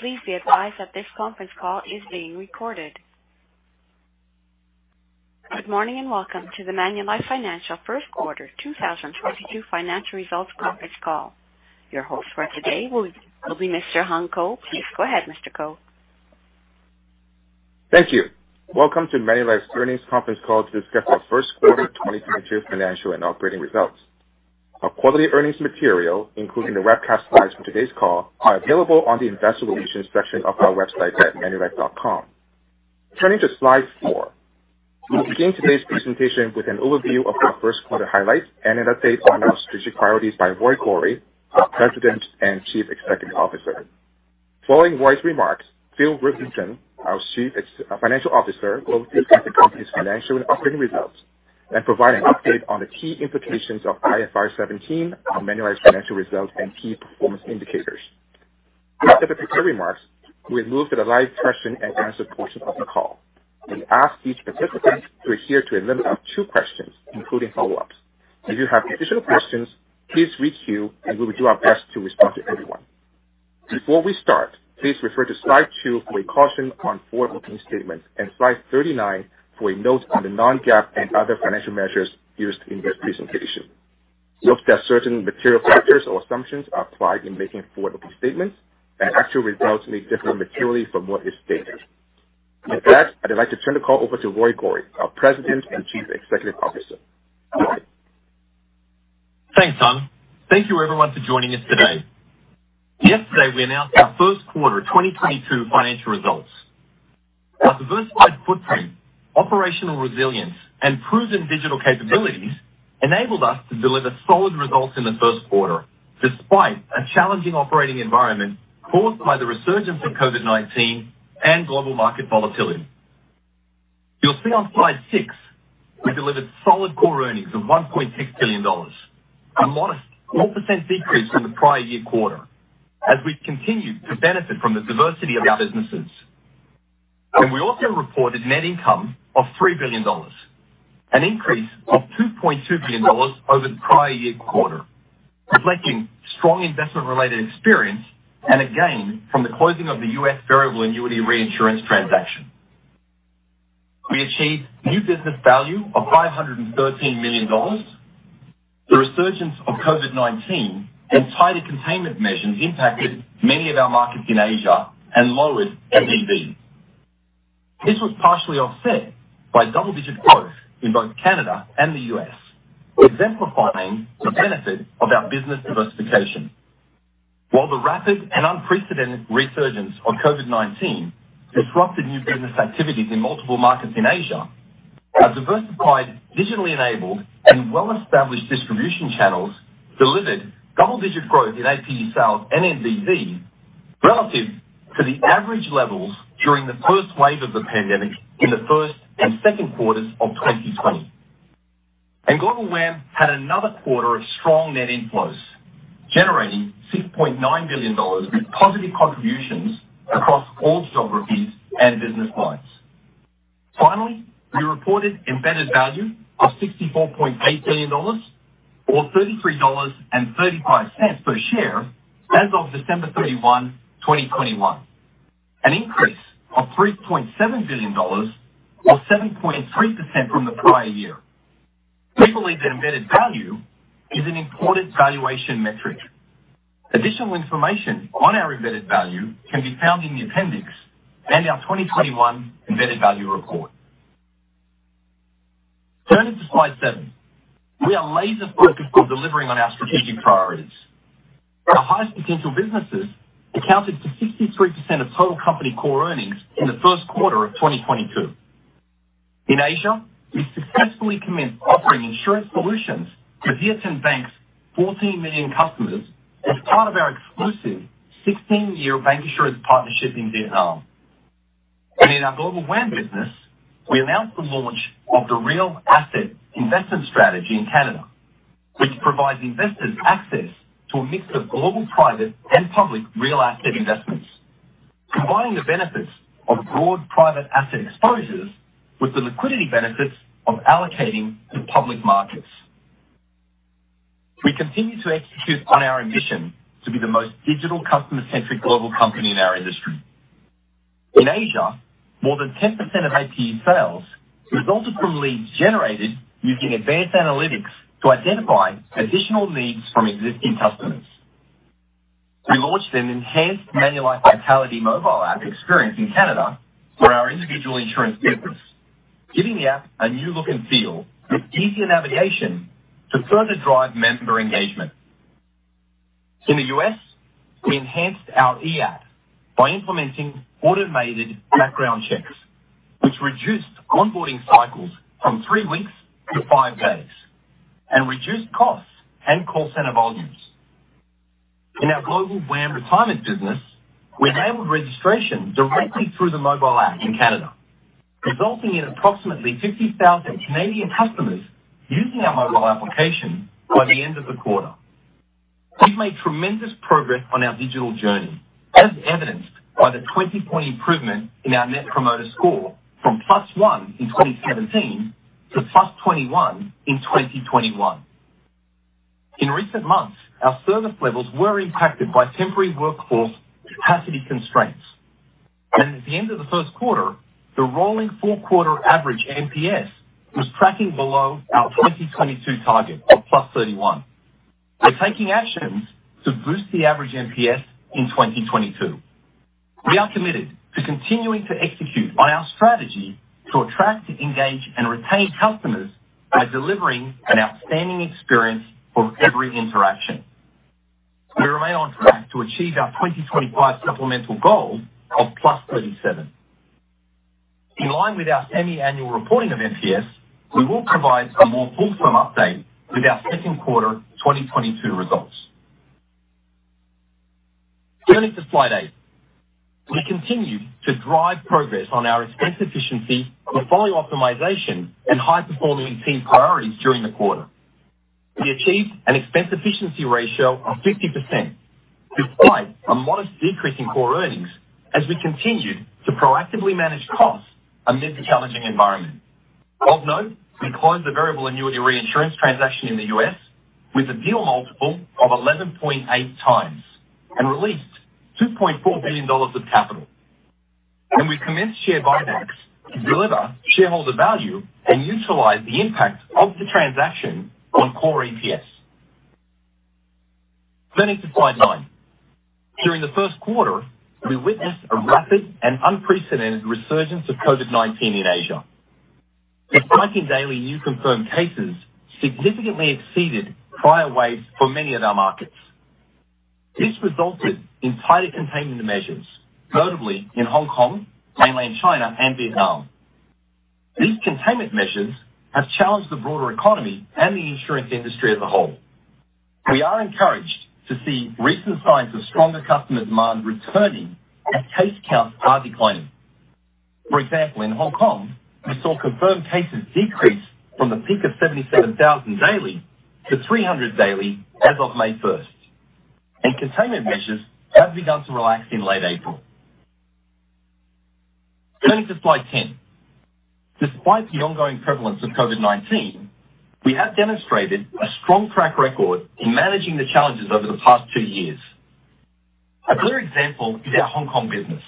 Please be advised that this conference call is being recorded. Good morning, and welcome to the Manulife Financial Q1 2022 Financial Results Conference Call. Your host for today will be Mr. Hung Ko. Please go ahead, Mr. Ko. Thank you. Welcome to Manulife's earnings conference call to discuss our Q1 2022 financial and operating results. Our quarterly earnings material, including the webcast slides for today's call, are available on the Investor Relations section of our website at manulife.com. Turning to slide four. We will begin today's presentation with an overview of our Q1 highlights and an update on our strategic priorities by Roy Gori, our President and Chief Executive Officer. Following Roy's remarks, Phil Witherington, our Chief Financial Officer, will discuss the company's financial and operating results and provide an update on the key implications of IFRS 17 on Manulife's financial results and key performance indicators. After the prepared remarks, we'll move to the live question and answer portion of the call. We ask each participant to adhere to a limit of two questions, including follow-ups. If you have additional questions, please raise, and we will do our best to respond to everyone. Before we start, please refer to slide two for a caution on forward-looking statements and slide 39 for a note on the non-GAAP and other financial measures used in this presentation. Note that certain material factors or assumptions are applied in making forward-looking statements and actual results may differ materially from what is stated. With that, I'd like to turn the call over to Roy Gori, our President and Chief Executive Officer. Roy. Thanks, Hung. Thank you everyone for joining us today. Yesterday, we announced our Q1 of 2022 financial results. Our diversified footprint, operational resilience, and proven digital capabilities enabled us to deliver solid results in the Q1, despite a challenging operating environment caused by the resurgence of COVID-19 and global market volatility. You'll see on slide six, we delivered solid core earnings of 1.6 billion dollars, a modest 4% decrease from the prior year quarter as we continued to benefit from the diversity of our businesses. We also reported net income of 3 billion dollars, an increase of 2.2 billion dollars over the prior year quarter, reflecting strong investment-related experience and a gain from the closing of the U.S. variable annuity reinsurance transaction. We achieved new business value of 513 million dollars. The resurgence of COVID-19 and tighter containment measures impacted many of our markets in Asia and lowered NBV. This was partially offset by double-digit growth in both Canada and the U.S., exemplifying the benefit of our business diversification. While the rapid and unprecedented resurgence of COVID-19 disrupted new business activities in multiple markets in Asia, our diversified, digitally enabled, and well-established distribution channels delivered double-digit growth in APE sales and NBV relative to the average levels during the first wave of the pandemic in the Q1 and Q2 of 2020. Global WAM had another quarter of strong net inflows, generating 6.9 billion dollars with positive contributions across all geographies and business lines. Finally, we reported embedded value of 64.8 billion dollars or 33.35 dollars per share as of December 31, 2021. An increase of 3.7 billion dollars or 7.3% from the prior year. We believe that embedded value is an important valuation metric. Additional information on our embedded value can be found in the appendix and our 2021 embedded value report. Turning to slide seven. We are laser-focused on delivering on our strategic priorities. Our high potential businesses accounted for 63% of total company core earnings in the Q1 of 2022. In Asia, we successfully commenced offering insurance solutions to VietinBank's 14 million customers as part of our exclusive 16-year bank insurance partnership in Vietnam. In our Global WAM business, we announced the launch of the Real Asset Investment Strategy in Canada, which provides investors access to a mix of global, private, and public real asset investments, combining the benefits of broad private asset exposures with the liquidity benefits of allocating to public markets. We continue to execute on our ambition to be the most digital, customer-centric global company in our industry. In Asia, more than 10% of APE sales resulted from leads generated using advanced analytics to identify additional needs from existing customers. We launched an enhanced Manulife Vitality mobile app experience in Canada for our individual insurance members, giving the app a new look and feel with easier navigation to further drive member engagement. In the U.S., we enhanced our e-app by implementing automated background checks, which reduced onboarding cycles from three weeks to five days and reduced costs and call center volumes. In our Global WAM Retirement business, we enabled registration directly through the mobile app in Canada, resulting in approximately 50,000 Canadian customers using our mobile application by the end of the quarter. We've made tremendous progress on our digital journey, as evidenced by the 20-point improvement in our Net Promoter Score from plus one in 2017 to +21 in 2021. In recent months, our service levels were impacted by temporary workforce capacity constraints. At the end of the Q1, the rolling four-quarter average NPS was tracking below our 2022 target of +31. We're taking actions to boost the average NPS in 2022. We are committed to continuing to execute on our strategy to attract, engage, and retain customers by delivering an outstanding experience for every interaction. We remain on track to achieve our 2025 supplemental goal of +37. In line with our semi-annual reporting of NPS, we will provide a more fulsome update with our Q2 2022 results. Turning to slide eight. We continue to drive progress on our expense efficiency, portfolio optimization, and high-performing team priorities during the quarter. We achieved an expense efficiency ratio of 50% despite a modest decrease in core earnings as we continued to proactively manage costs amid the challenging environment. Of note, we closed the variable annuity reinsurance transaction in the U.S. with a deal multiple of 11.8x and released $2.4 billion of capital. We commenced share buybacks to deliver shareholder value and utilize the impact of the transaction on core EPS. Turning to slide nine. During the Q1, we witnessed a rapid and unprecedented resurgence of COVID-19 in Asia. The spiking daily new confirmed cases significantly exceeded prior waves for many of our markets. This resulted in tighter containment measures, notably in Hong Kong, Mainland China, and Vietnam. These containment measures have challenged the broader economy and the insurance industry as a whole. We are encouraged to see recent signs of stronger customer demand returning as case counts are declining. For example, in Hong Kong, we saw confirmed cases decrease from the peak of 77,000 daily to 300 daily as of May First. Containment measures have begun to relax in late April. Turning to slide 10. Despite the ongoing prevalence of COVID-19, we have demonstrated a strong track record in managing the challenges over the past two years. A clear example is our Hong Kong business,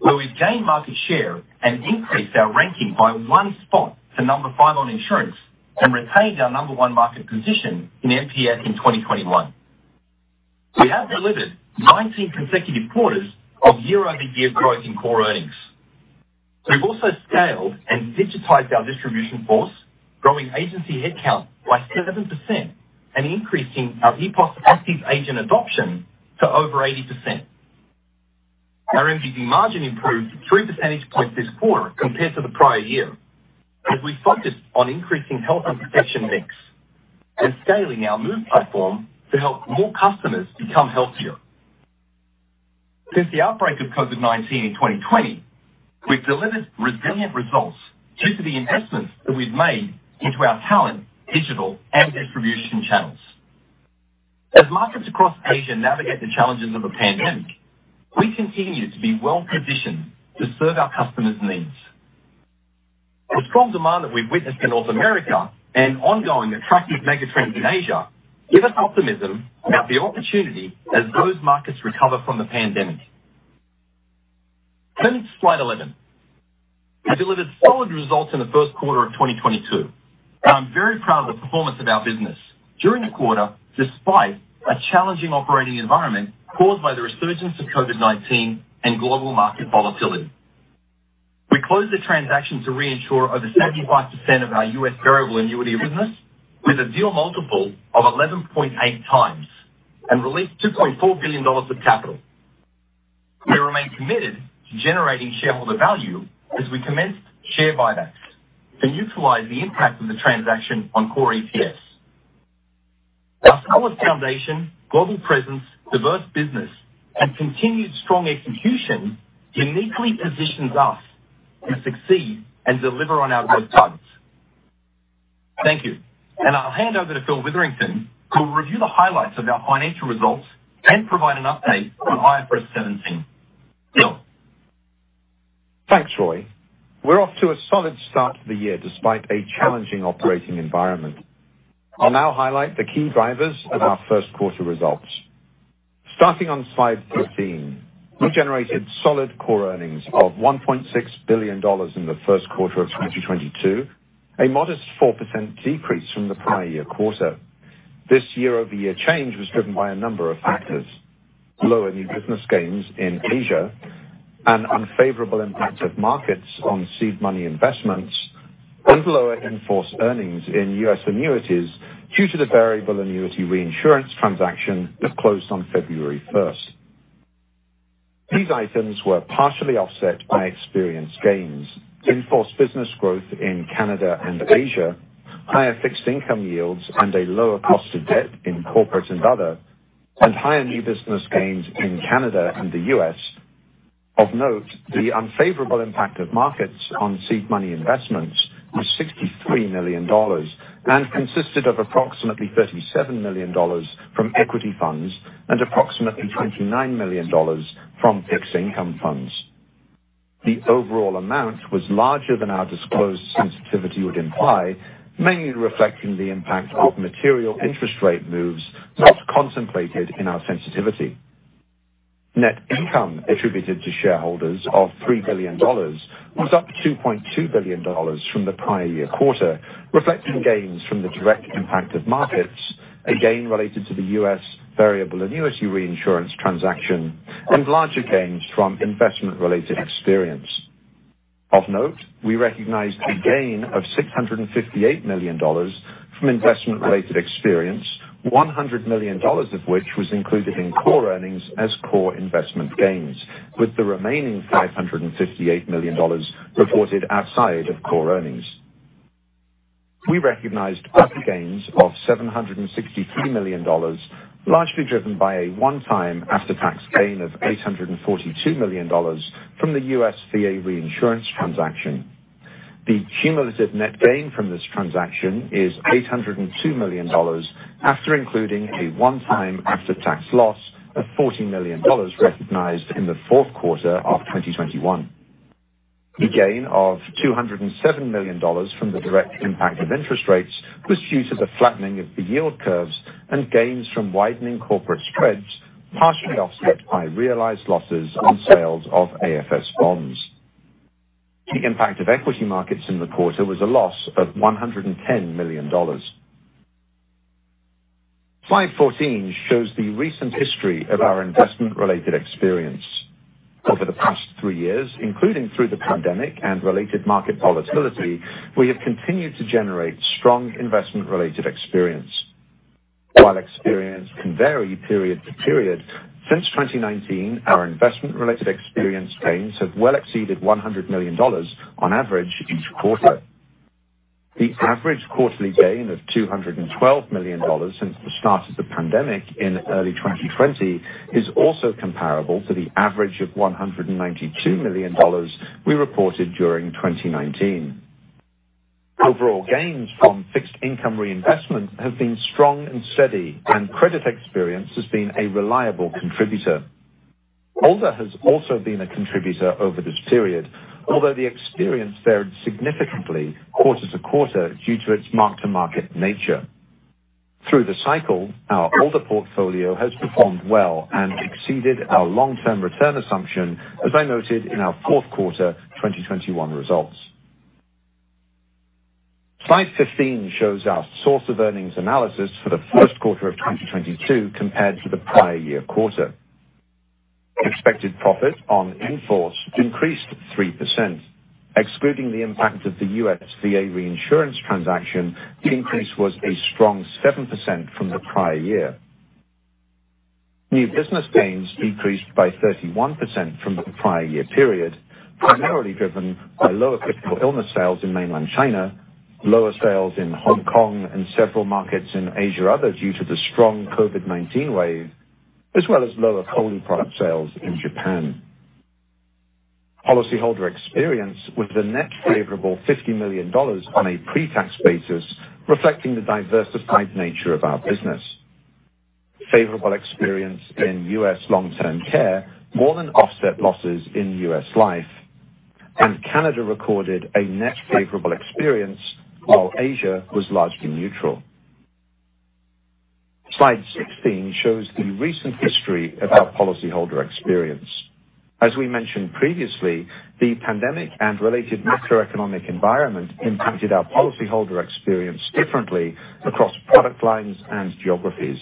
where we've gained market share and increased our ranking by one spot to number five on insurance and retained our number one market position in MPF in 2021. We have delivered 19 consecutive quarters of year-over-year growth in core earnings. We've also scaled and digitized our distribution force, growing agency headcount by 7% and increasing our ePOS active agent adoption to over 80%. Our MVP margin improved 3 percentage points this quarter compared to the prior year as we focused on increasing health and protection mix and scaling our ManulifeMOVE platform to help more customers become healthier. Since the outbreak of COVID-19 in 2020, we've delivered resilient results due to the investments that we've made into our talent, digital, and distribution channels. As markets across Asia navigate the challenges of the pandemic, we continue to be well-positioned to serve our customers' needs. The strong demand that we've witnessed in North America and ongoing attractive mega trends in Asia give us optimism about the opportunity as those markets recover from the pandemic. Turning to slide 11. We delivered solid results in the Q1 of 2022, and I'm very proud of the performance of our business during the quarter despite a challenging operating environment caused by the resurgence of COVID-19 and global market volatility. We closed the transaction to reinsure over 75% of our U.S. variable annuity business with a deal multiple of 11.8x and released $2.4 billion of capital. We remain committed to generating shareholder value as we commenced share buybacks and utilize the impact of the transaction on core EPS. Our solid foundation, global presence, diverse business, and continued strong execution uniquely positions us to succeed and deliver on our growth targets. Thank you. I'll hand over to Phil Witherington, who will review the highlights of our financial results and provide an update on IFRS 17. Phil. Thanks, Roy. We're off to a solid start to the year despite a challenging operating environment. I'll now highlight the key drivers of our Q1 results. Starting on slide 13, we generated solid core earnings of 1.6 billion dollars in the Q1 of 2022, a modest 4% decrease from the prior year quarter. This year-over-year change was driven by a number of factors. Lower new business gains in Asia, an unfavorable impact of markets on seed money investments, and lower in-force earnings in U.S. annuities due to the variable annuity reinsurance transaction that closed on February first. These items were partially offset by experience gains, in-force business growth in Canada and Asia, higher fixed income yields and a lower cost of debt in corporate and other, and higher new business gains in Canada and the U.S. Of note, the unfavorable impact of markets on seed money investments was 63 million dollars and consisted of approximately 37 million dollars from equity funds and approximately 29 million dollars from fixed income funds. The overall amount was larger than our disclosed sensitivity would imply, mainly reflecting the impact of material interest rate moves not contemplated in our sensitivity. Net income attributed to shareholders of 3 billion dollars was up 2.2 billion dollars from the prior year quarter, reflecting gains from the direct impact of markets, a gain related to the U.S. variable annuity reinsurance transaction, and larger gains from investment-related experience. Of note, we recognized a gain of 658 million dollars from investment-related experience, 100 million dollars of which was included in core earnings as core investment gains, with the remaining 558 million dollars reported outside of core earnings. We recognized profit gains of 763 million dollars, largely driven by a one-time after-tax gain of 842 million dollars from the U.S. VA reinsurance transaction. The cumulative net gain from this transaction is 802 million dollars after including a one-time after-tax loss of 40 million dollars recognized in the Q4 of 2021. The gain of 207 million dollars from the direct impact of interest rates was due to the flattening of the yield curves and gains from widening corporate spreads, partially offset by realized losses on sales of AFS bonds. The impact of equity markets in the quarter was a loss of 110 million dollars. Slide 14 shows the recent history of our investment-related experience. Over the past three years, including through the pandemic and related market volatility, we have continued to generate strong investment-related experience. While experience can vary period to period, since 2019, our investment-related experience gains have well exceeded 100 million dollars on average each quarter. The average quarterly gain of 212 million dollars since the start of the pandemic in early 2020 is also comparable to the average of 192 million dollars we reported during 2019. Overall gains from fixed income reinvestment have been strong and steady, and credit experience has been a reliable contributor. ALDA has also been a contributor over this period, although the experience there is significantly quarter-to-quarter due to its mark-to-market nature. Through the cycle, our older portfolio has performed well and exceeded our long-term return assumption, as I noted in our Q4 2021 results. Slide 15 shows our Source of Earnings analysis for the Q1 of 2022 compared to the prior year quarter. Expected profit on in-force increased 3%. Excluding the impact of the U.S. VA reinsurance transaction, the increase was a strong 7% from the prior year. New business gains decreased by 31% from the prior year period, primarily driven by lower critical illness sales in mainland China, lower sales in Hong Kong and several markets in Asia, and others due to the strong COVID-19 wave, as well as lower holding product sales in Japan. Policyholder experience, with the net favorable 50 million dollars on a pre-tax basis, reflecting the diversified nature of our business. Favorable experience in U.S. long-term care more than offset losses in U.S. Life, and Canada recorded a net favorable experience, while Asia was largely neutral. Slide 16 shows the recent history of our policyholder experience. As we mentioned previously, the pandemic and related macroeconomic environment impacted our policyholder experience differently across product lines and geographies.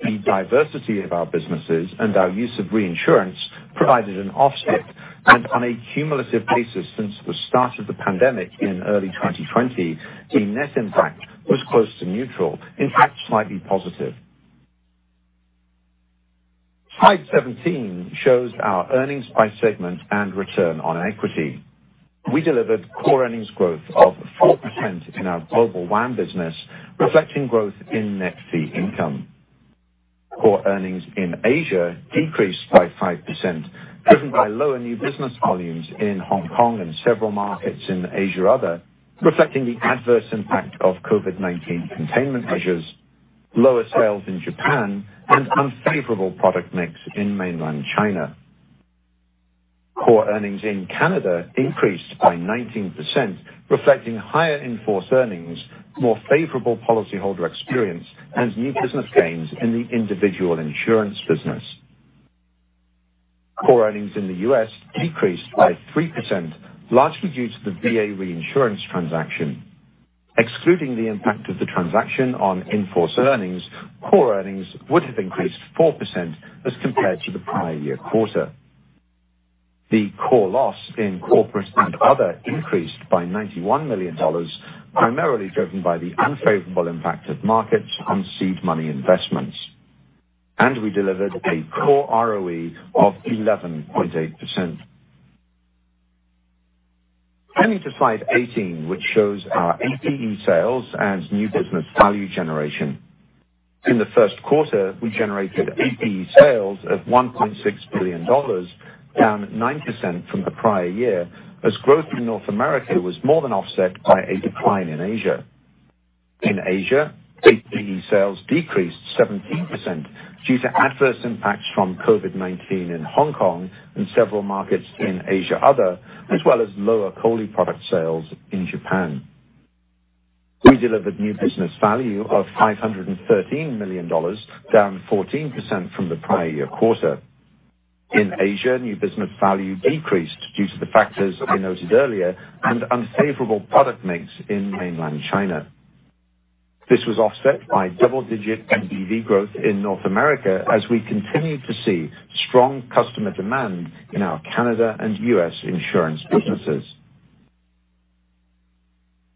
The diversity of our businesses and our use of reinsurance provided an offset, and on a cumulative basis since the start of the pandemic in early 2020, the net impact was close to neutral, in fact, slightly positive. Slide 17 shows our earnings by segment and return on equity. We delivered core earnings growth of 4% in our Global WAM business, reflecting growth in net fee income. Core earnings in Asia decreased by 5%, driven by lower new business volumes in Hong Kong and several markets in Asia Other, reflecting the adverse impact of COVID-19 containment measures, lower sales in Japan and unfavorable product mix in mainland China. Core earnings in Canada increased by 19%, reflecting higher in-force earnings, more favorable policyholder experience, and new business gains in the individual insurance business. Core earnings in the US decreased by 3%, largely due to the VA reinsurance transaction. Excluding the impact of the transaction on in-force earnings, core earnings would have increased 4% as compared to the prior year quarter. The core loss in corporate and other increased by 91 million dollars, primarily driven by the unfavorable impact of markets on seed money investments. We delivered a core ROE of 11.8%. Turning to slide 18, which shows our APE sales and new business value generation. In the Q1, we generated APE sales of 1.6 billion dollars, down 9% from the prior year, as growth in North America was more than offset by a decline in Asia. In Asia, APE sales decreased 17% due to adverse impacts from COVID-19 in Hong Kong and several markets in Asia other, as well as lower COLI product sales in Japan. We delivered new business value of 513 million dollars, down 14% from the prior year quarter. In Asia, new business value decreased due to the factors we noted earlier and unfavorable product mix in mainland China. This was offset by double-digit NBV growth in North America as we continued to see strong customer demand in our Canada and U.S. insurance businesses.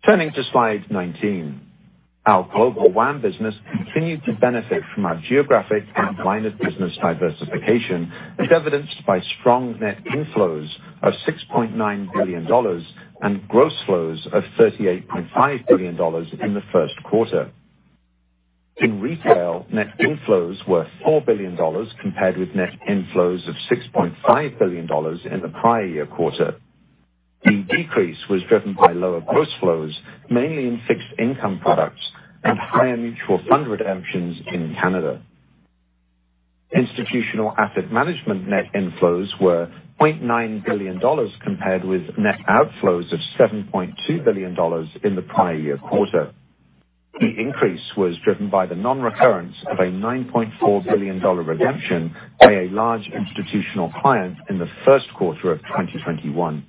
Turning to slide 19. Our Global WAM business continued to benefit from our geographic and line of business diversification, as evidenced by strong net inflows of 6.9 billion dollars and gross flows of 38.5 billion dollars in the Q1. In retail, net inflows were 4 billion dollars compared with net inflows of 6.5 billion dollars in the prior year quarter. The decrease was driven by lower gross flows, mainly in fixed income products and higher mutual fund redemptions in Canada. Institutional asset management net inflows were 0.9 billion dollars compared with net outflows of 7.2 billion dollars in the prior year quarter. The increase was driven by the nonrecurrence of a 9.4 billion dollar redemption by a large institutional client in the Q1 of 2021.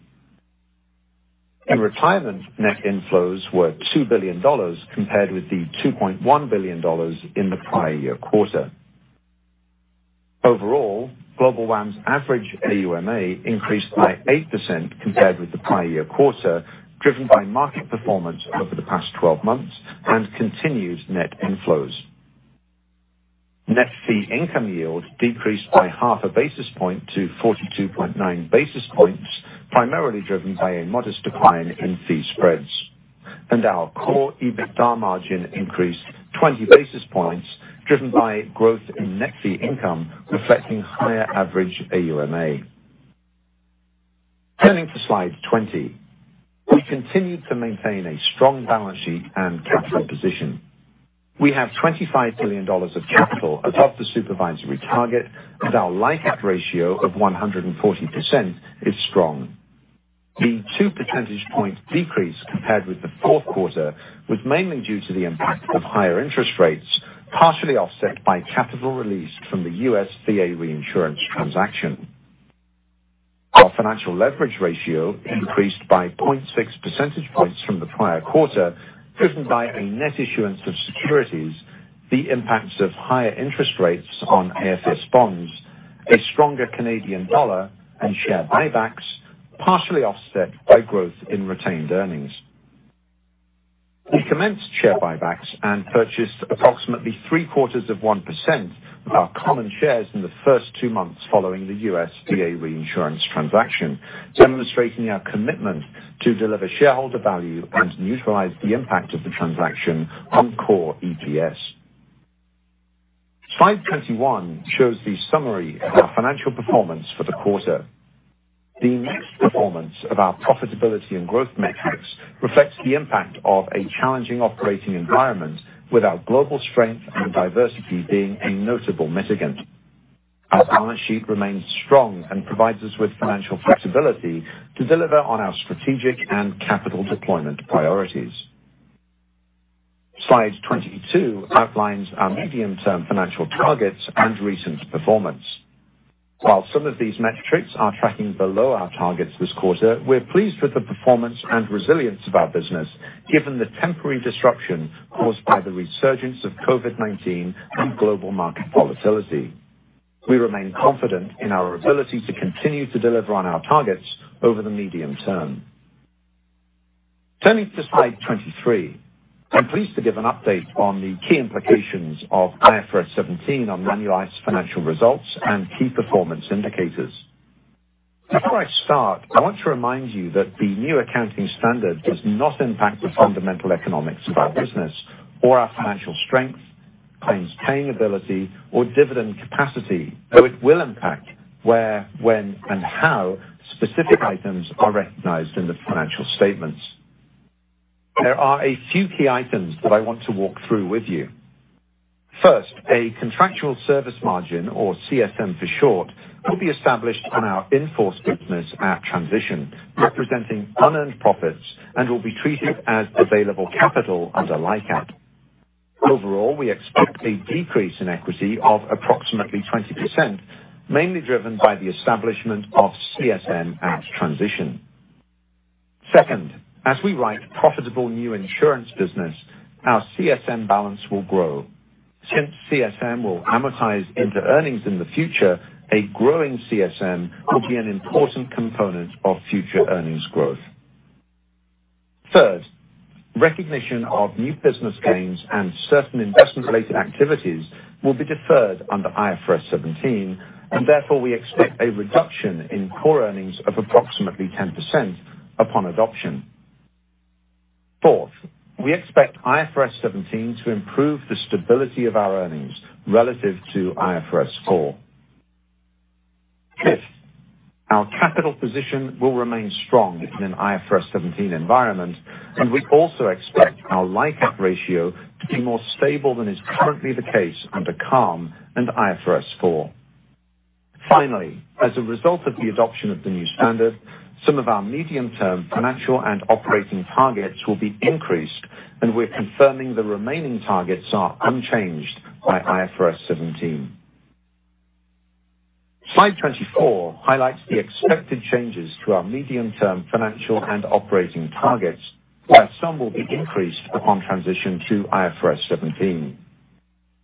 In retirement, net inflows were 2 billion dollars compared with 2.1 billion dollars in the prior year quarter. Overall, Global WAM's average AUMA increased by 8% compared with the prior year quarter, driven by market performance over the past 12 months and continued net inflows. Net fee income yield decreased by half a basis point to 42.9 basis points, primarily driven by a modest decline in fee spreads. Our core EBITDA margin increased 20 basis points driven by growth in net fee income, reflecting higher average AUMA. Turning to slide 20. We continued to maintain a strong balance sheet and capital position. We have 25 billion dollars of capital above the supervisory target, and our LICAT ratio of 140% is strong. The 2 percentage point decrease compared with the Q4 was mainly due to the impact of higher interest rates, partially offset by capital released from the U.S. VA reinsurance transaction. Our financial leverage ratio increased by 0.6 percentage points from the prior quarter, driven by a net issuance of securities, the impacts of higher interest rates on AFS bonds, a stronger Canadian dollar and share buybacks, partially offset by growth in retained earnings. We commenced share buybacks and purchased approximately three-quarters of 1% of our common shares in the first two months following the U.S. VA reinsurance transaction, demonstrating our commitment to deliver shareholder value and neutralize the impact of the transaction on core EPS. Slide 21 shows the summary of our financial performance for the quarter. The mixed performance of our profitability and growth metrics reflects the impact of a challenging operating environment with our global strength and diversity being a notable mitigant. Our balance sheet remains strong and provides us with financial flexibility to deliver on our strategic and capital deployment priorities. Slide 22 outlines our medium-term financial targets and recent performance. While some of these metrics are tracking below our targets this quarter, we're pleased with the performance and resilience of our business, given the temporary disruption caused by the resurgence of COVID-19 and global market volatility. We remain confident in our ability to continue to deliver on our targets over the medium term. Turning to slide 23. I'm pleased to give an update on the key implications of IFRS 17 on Manulife's financial results and key performance indicators. Before I start, I want to remind you that the new accounting standard does not impact the fundamental economics of our business or our financial strength, claims-paying ability or dividend capacity, though it will impact where, when, and how specific items are recognized in the financial statements. There are a few key items that I want to walk through with you. First, a contractual service margin or CSM for short, will be established on our in-force business at transition, representing unearned profits and will be treated as available capital under LICAT. Overall, we expect a decrease in equity of approximately 20%, mainly driven by the establishment of CSM at transition. Second, as we write profitable new insurance business, our CSM balance will grow. Since CSM will amortize into earnings in the future, a growing CSM will be an important component of future earnings growth. Third, recognition of new business gains and certain investment related activities will be deferred under IFRS 17 and therefore, we expect a reduction in core earnings of approximately 10% upon adoption. Fourth, we expect IFRS 17 to improve the stability of our earnings relative to IFRS 4. Fifth, our capital position will remain strong in an IFRS 17 environment, and we also expect our LICAT ratio to be more stable than is currently the case under CALM and IFRS 4. Finally, as a result of the adoption of the new standard, some of our medium-term financial and operating targets will be increased, and we're confirming the remaining targets are unchanged by IFRS 17. Slide 24 highlights the expected changes to our medium-term financial and operating targets, where some will be increased upon transition to IFRS 17.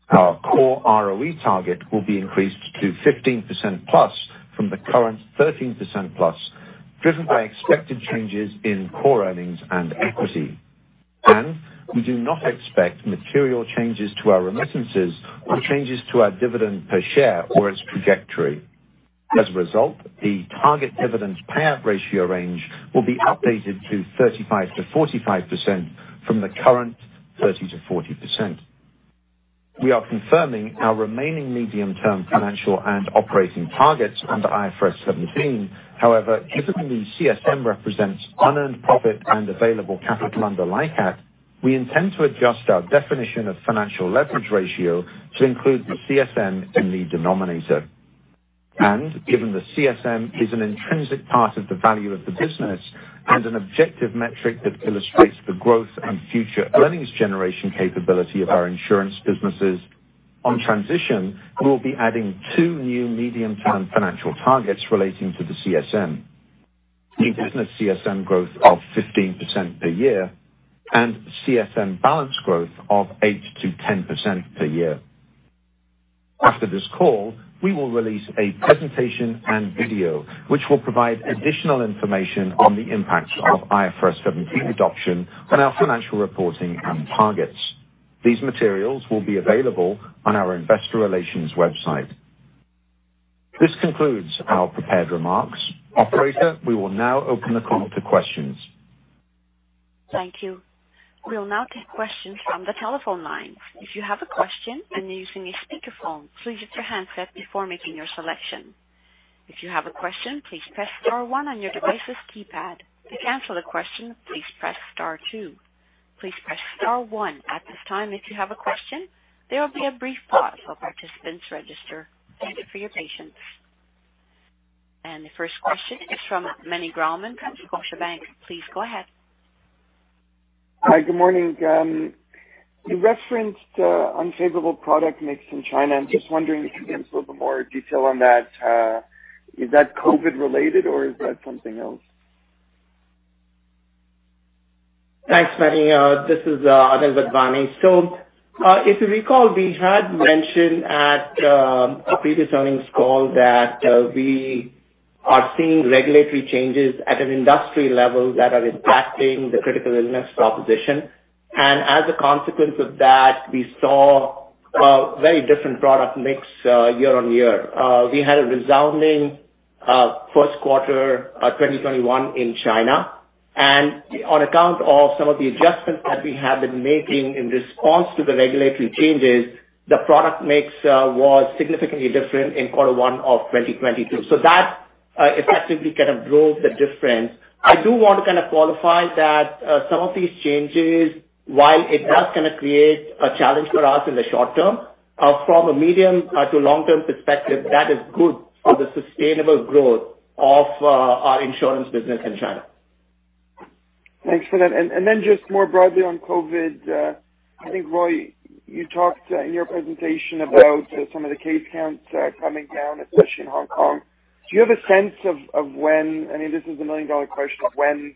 Our core ROE target will be increased to 15%+ from the current 13%+, driven by expected changes in core earnings and equity. We do not expect material changes to our remittances or changes to our dividend per share or its trajectory. As a result, the target dividends payout ratio range will be updated to 35%-45% from the current 30%-40%. We are confirming our remaining medium-term financial and operating targets under IFRS 17. However, given the CSM represents unearned profit and available capital under LICAT, we intend to adjust our definition of financial leverage ratio to include the CSM in the denominator. Given the CSM is an intrinsic part of the value of the business and an objective metric that illustrates the growth and future earnings generation capability of our insurance businesses, on transition, we'll be adding two new medium-term financial targets relating to the CSM. The business CSM growth of 15% per year and CSM balance growth of 8%-10% per year. After this call, we will release a presentation and video which will provide additional information on the impacts of IFRS 17 adoption on our financial reporting and targets. These materials will be available on our investor relations website. This concludes our prepared remarks. Operator, we will now open the call to questions. Thank you. We'll now take questions from the telephone lines. If you have a question and you're using a speakerphone, please mute your handset before making your selection. If you have a question, please press star one on your device's keypad. To cancel the question, please press star two. Please press star one at this time if you have a question. There will be a brief pause while participants register. Thank you for your patience. The first question is from Meny Grauman from Scotiabank. Please go ahead. Hi. Good morning. You referenced unfavorable product mix in China. I'm just wondering if you can give us a little bit more detail on that. Is that COVID related or is that something else? Thanks, Meny. This is Anil Wadhwani. If you recall, we had mentioned at a previous earnings call that we are seeing regulatory changes at an industry level that are impacting the critical illness proposition. As a consequence of that, we saw a very different product mix year-on-year. We had a resounding Q1 2021 in China. On account of some of the adjustments that we have been making in response to the regulatory changes, the product mix was significantly different in Q1 of 2022. That effectively kind of drove the difference. I do want to kind of qualify that, some of these changes, while it does kinda create a challenge for us in the short term, from a medium to long-term perspective, that is good for the sustainable growth of our insurance business in China. Thanks for that. Then just more broadly on COVID, I think, Roy, you talked in your presentation about some of the case counts coming down, especially in Hong Kong. Do you have a sense of when? I mean, this is the million-dollar question, when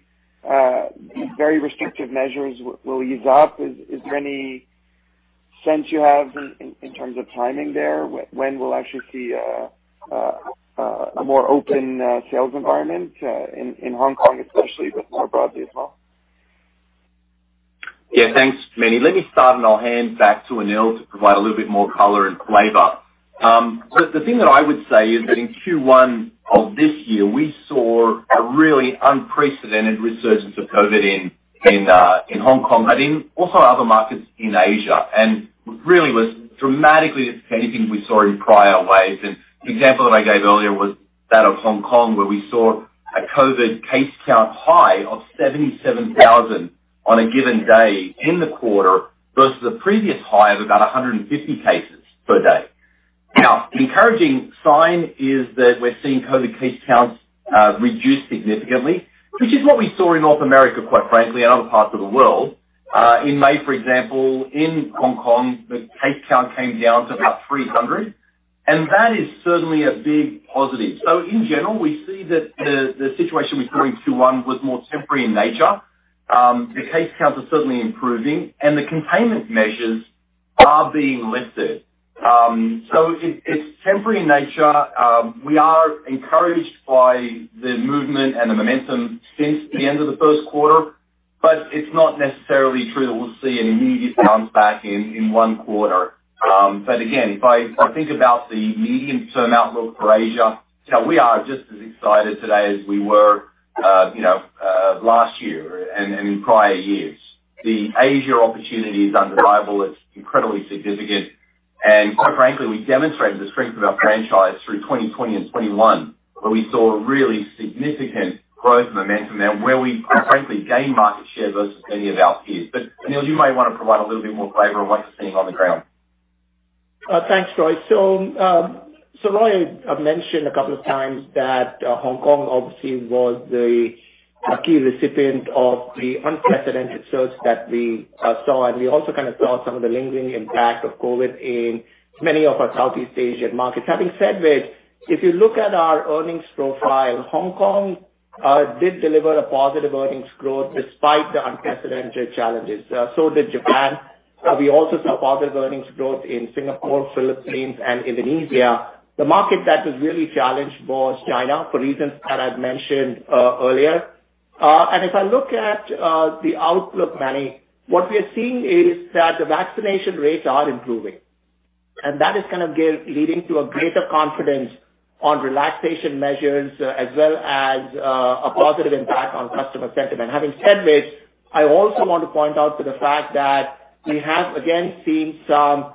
very restrictive measures will ease up? Is there any sense you have in terms of timing there, when we'll actually see a more open sales environment in Hong Kong especially, but more broadly as well? Yeah. Thanks, Meny. Let me start and I'll hand back to Anil to provide a little bit more color and flavor. So the thing that I would say is that in Q1 of this year, we saw a really unprecedented resurgence of COVID in Hong Kong, but also in other markets in Asia, and really was dramatically distinct from anything we saw in prior waves. The example that I gave earlier was that of Hong Kong, where we saw a COVID case count high of 77,000 on a given day in the quarter versus the previous high of about 150 cases per day. Now, the encouraging sign is that we're seeing COVID case counts reduce significantly, which is what we saw in North America, quite frankly, and other parts of the world. In May, for example, in Hong Kong, the case count came down to about 300, and that is certainly a big positive. In general, we see that the situation we saw in Q1 was more temporary in nature. The case counts are certainly improving, and the containment measures are being lifted. It's temporary in nature. We are encouraged by the movement and the momentum since the end of the Q1, but it's not necessarily true that we'll see an immediate bounce back in one quarter. Again, if I think about the medium-term outlook for Asia, you know, we are just as excited today as we were. Last year and in prior years. The Asia opportunity is undeniable, it's incredibly significant. Quite frankly, we demonstrated the strength of our franchise through 2020 and 2021, where we saw really significant growth momentum there, where we quite frankly gained market share versus many of our peers. Anil, you might wanna provide a little bit more flavor on what you're seeing on the ground. Thanks, Roy. Roy, I've mentioned a couple of times that Hong Kong obviously was a key recipient of the unprecedented surge that we saw. We also kind of saw some of the lingering impact of COVID in many of our Southeast Asian markets. Having said that, if you look at our earnings profile, Hong Kong did deliver a positive earnings growth despite the unprecedented challenges. So did Japan. We also saw positive earnings growth in Singapore, Philippines and Indonesia. The market that was really challenged was China for reasons that I've mentioned earlier. If I look at the outlook Roy, what we are seeing is that the vaccination rates are improving. That is kind of leading to a greater confidence on relaxation measures as well as a positive impact on customer sentiment. Having said this, I also want to point out the fact that we have, again, seen some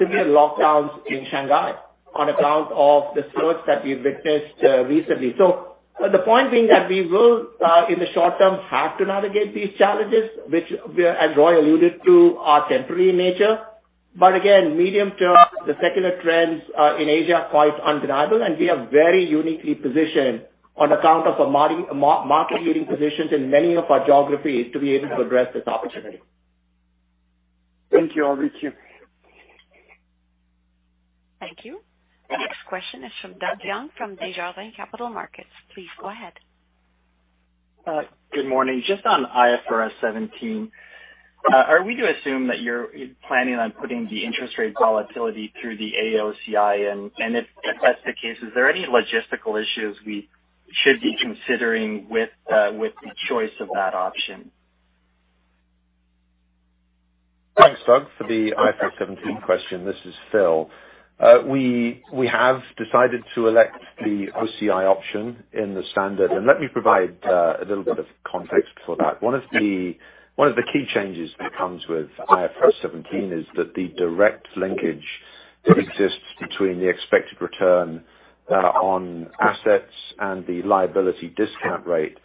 severe lockdowns in Shanghai on account of the surge that we've witnessed recently. The point being that we will, in the short term, have to navigate these challenges, which, as Roy alluded to, are temporary in nature. Again, medium term, the secular trends in Asia are quite undeniable, and we are very uniquely positioned on account of market-leading positions in many of our geographies to be able to address this opportunity. Thank you, Anil. Thank you. Thank you. The next question is from Doug Young from Desjardins Capital Markets. Please go ahead. Good morning. Just on IFRS 17, are we to assume that you're planning on putting the interest rate volatility through the AOCI? If that's the case, is there any logistical issues we should be considering with the choice of that option? Thanks, Doug, for the IFRS 17 question. This is Phil. We have decided to elect the OCI option in the standard. Let me provide a little bit of context for that. One of the key changes that comes with IFRS 17 is that the direct linkage that exists between the expected return on assets and the liability discount rate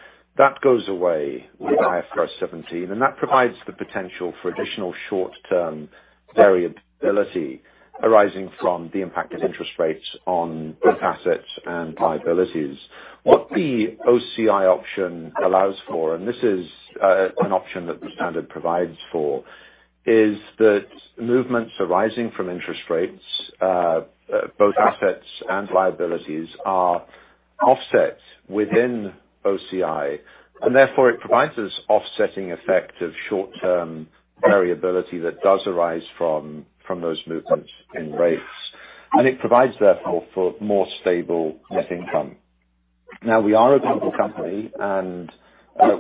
goes away with IFRS 17, and that provides the potential for additional short-term variability arising from the impact of interest rates on both assets and liabilities. What the OCI option allows for, and this is an option that the standard provides for, is that movements arising from interest rates both assets and liabilities are offset within OCI, and therefore it provides this offsetting effect of short-term variability that does arise from those movements in rates. It provides, therefore, for more stable net income. Now, we are a global company, and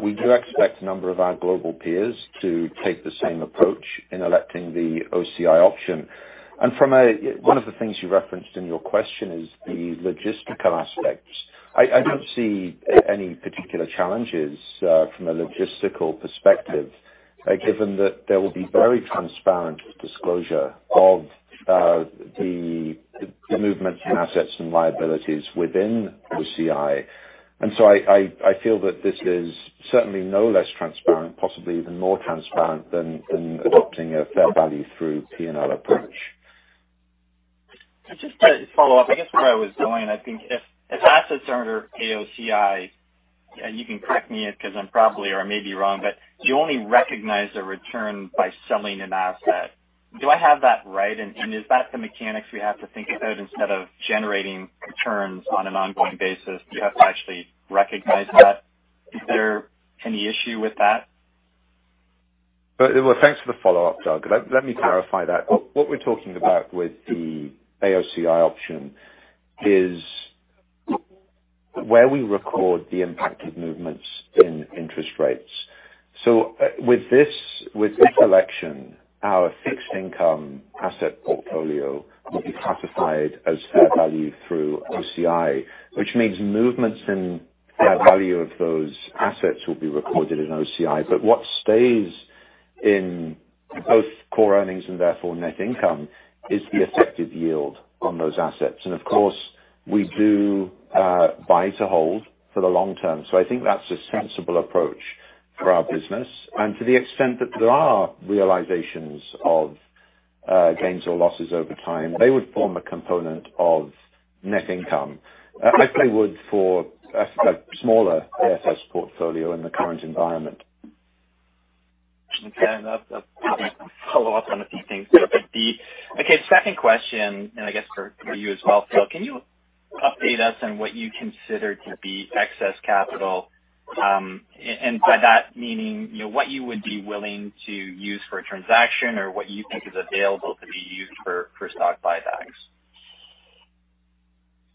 we do expect a number of our global peers to take the same approach in electing the OCI option. One of the things you referenced in your question is the logistical aspects. I don't see any particular challenges from a logistical perspective, given that there will be very transparent disclosure of the movement in assets and liabilities within OCI. I feel that this is certainly no less transparent, possibly even more transparent than adopting a fair value through P&L approach. Just to follow up, I guess where I was going, I think if assets are under AOCI, and you can correct me if 'cause I'm probably or may be wrong, but you only recognize a return by selling an asset. Do I have that right? Is that the mechanics we have to think about instead of generating returns on an ongoing basis, you have to actually recognize that? Is there any issue with that? Well, thanks for the follow-up, Doug. Let me clarify that. What we're talking about with the AOCI option is where we record the impact of movements in interest rates. With this election, our fixed income asset portfolio will be classified as fair value through OCI, which means movements in fair value of those assets will be recorded in OCI. What stays in both core earnings and therefore net income is the effective yield on those assets. Of course, we do buy to hold for the long term. I think that's a sensible approach for our business, and to the extent that there are realizations of gains or losses over time, they would form a component of net income, as they would for a smaller AFS portfolio in the current environment. Okay. I'll probably follow up on a few things. Okay, second question, and I guess for you as well, Phil. Can you update us on what you consider to be excess capital? By that meaning, you know, what you would be willing to use for a transaction or what you think is available to be used for stock buybacks?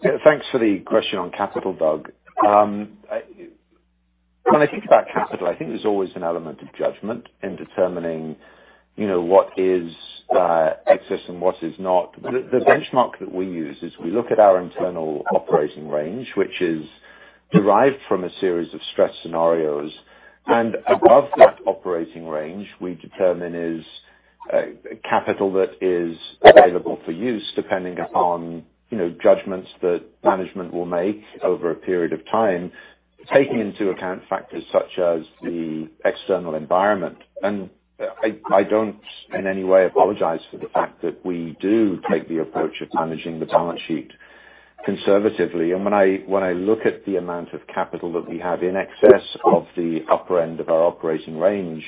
Yeah. Thanks for the question on capital, Doug. When I think about capital, I think there's always an element of judgment in determining, you know, what is excess and what is not. The benchmark that we use is we look at our internal operating range, which is derived from a series of stress scenarios. Above that operating range, we determine is capital that is available for use depending upon, you know, judgments that management will make over a period of time, taking into account factors such as the external environment. I don't in any way apologize for the fact that we do take the approach of managing the balance sheet conservatively. When I look at the amount of capital that we have in excess of the upper end of our operating range,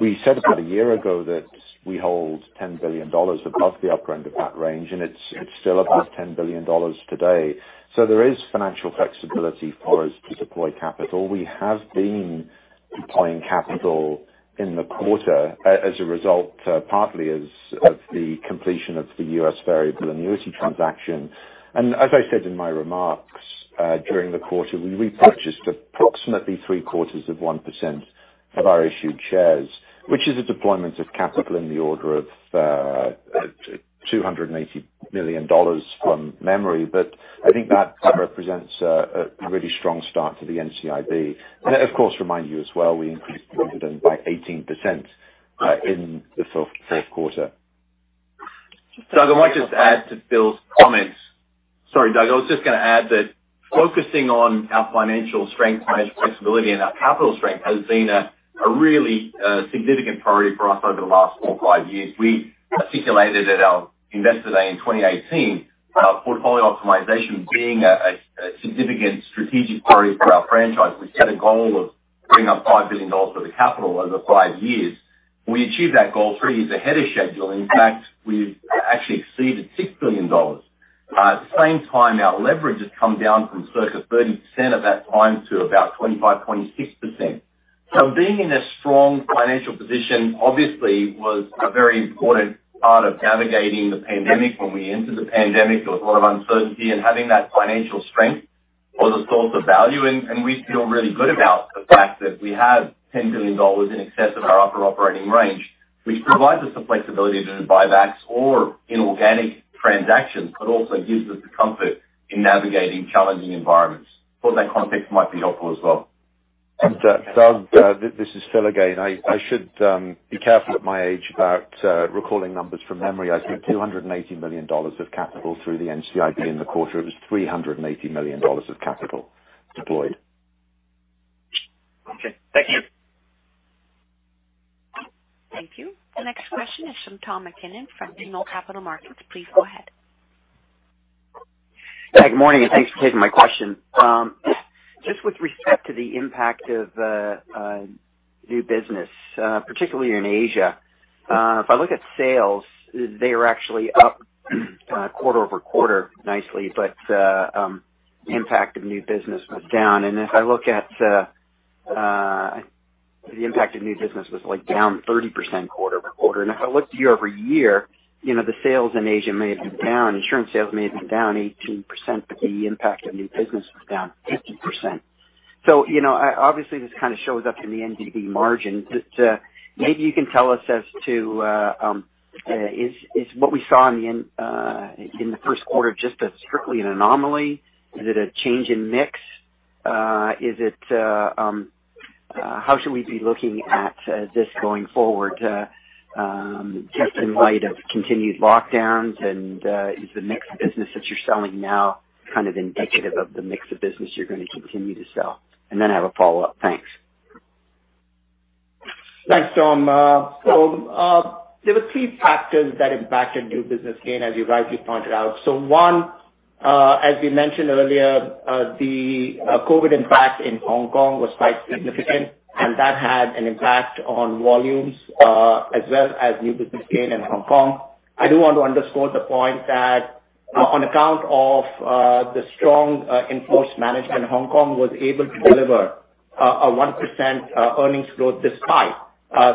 we said about a year ago that we hold 10 billion dollars above the upper end of that range, and it's still above 10 billion dollars today. There is financial flexibility for us to deploy capital. We have been deploying capital in the quarter as a result, partly as the completion of the U.S. variable annuity transaction. As I said in my remarks, during the quarter, we repurchased approximately three quarters of one percent of our issued shares, which is a deployment of capital in the order of 280 million dollars from memory. I think that represents a really strong start to the NCIB. Let me, of course, remind you as well, we increased dividends by 18% in the Q4. Doug, I might just add to Phil's comments. Sorry, Doug. I was just gonna add that focusing on our financial strength, financial flexibility, and our capital strength has been a really significant priority for us over the last four or five years. We articulated at our Investor Day in 2018 our portfolio optimization being a significant strategic priority for our franchise. We set a goal of bringing up 5 billion dollars worth of capital over five years. We achieved that goal three years ahead of schedule. In fact, we actually exceeded 6 billion dollars. At the same time, our leverage has come down from circa 30% at that time to about 25%-26%. Being in a strong financial position obviously was a very important part of navigating the pandemic. When we entered the pandemic, there was a lot of uncertainty, and having that financial strength was a source of value. We feel really good about the fact that we have 10 billion dollars in excess of our upper operating range, which provides us the flexibility to do buybacks or inorganic transactions, but also gives us the comfort in navigating challenging environments. Thought that context might be helpful as well. Doug, this is Phil again. I should be careful at my age about recalling numbers from memory. I said 280 million dollars of capital through the NCIB in the quarter. It was 380 million dollars of capital deployed. Okay. Thank you. Thank you. The next question is from Tom MacKinnon from BMO Capital Markets. Please go ahead. Good morning, and thanks for taking my question. Just with respect to the impact of new business, particularly in Asia, if I look at sales, they are actually up quarter-over-quarter nicely, but impact of new business was down. If I look at the impact of new business, like, down 30% quarter-over-quarter. If I look year-over-year, you know, the sales in Asia may have been down, insurance sales may have been down 18%, but the impact of new business was down 50%. You know, obviously this kind of shows up in the NBV margin. Just maybe you can tell us as to is what we saw in the Q1 just strictly an anomaly? Is it a change in mix? How should we be looking at this going forward, just in light of continued lockdowns? Is the mix of business that you're selling now kind of indicative of the mix of business you're gonna continue to sell? Then I have a follow-up. Thanks. Thanks, Tom. There were three factors that impacted new business gain, as you rightly pointed out. One, as we mentioned earlier, the COVID impact in Hong Kong was quite significant, and that had an impact on volumes, as well as new business gain in Hong Kong. I do want to underscore the point that, on account of, the strong, in-force management, Hong Kong was able to deliver, a 1%, earnings growth despite,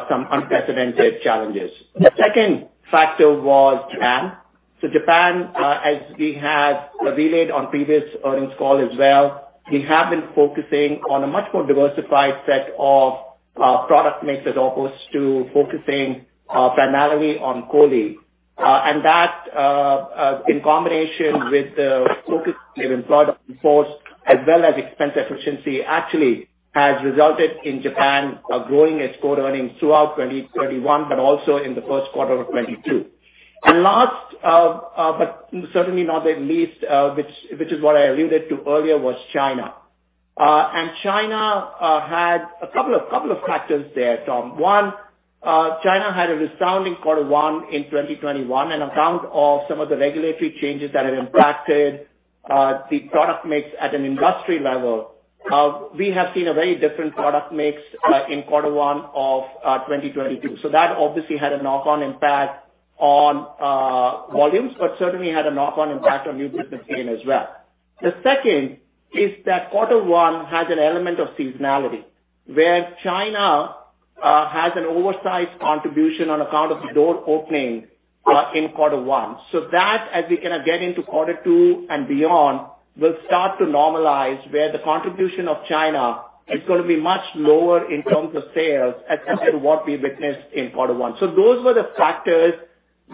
some unprecedented challenges. The second factor was Japan. Japan, as we have relayed on previous earnings call as well, we have been focusing on a much more diversified set of, product mix as opposed to focusing, primarily on COLI. That in combination with the focus we have employed on pricing as well as expense efficiency actually has resulted in Japan growing its core earnings throughout 2021, but also in the Q1 of 2022. Last, but certainly not the least, which is what I alluded to earlier, was China. China had a couple of factors there, Tom. One, China had a resounding Q1 in 2021 on account of some of the regulatory changes that have impacted the product mix at an industry level. We have seen a very different product mix in Q1 of 2022. So that obviously had a knock-on impact on volumes but certainly had a knock-on impact on new business gain as well. The second is that Q1 has an element of seasonality, where China has an oversized contribution on account of the door opening in Q1. That as we kind of get into Q2 and beyond, will start to normalize where the contribution of China is going to be much lower in terms of sales as compared to what we witnessed in Q1. Those were the factors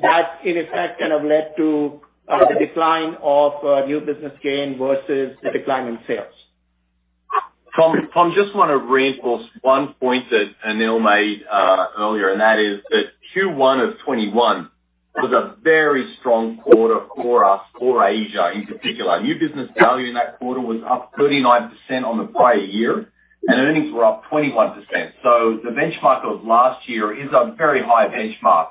that in effect kind of led to the decline of new business gain versus the decline in sales. Tom MacKinnon, just want to reinforce one point that Anil Wadhwani made earlier, and that is that Q1 of 2021 was a very strong quarter for us, for Asia in particular. New business value in that quarter was up 39% on the prior year, and earnings were up 21%. The benchmark of last year is a very high benchmark.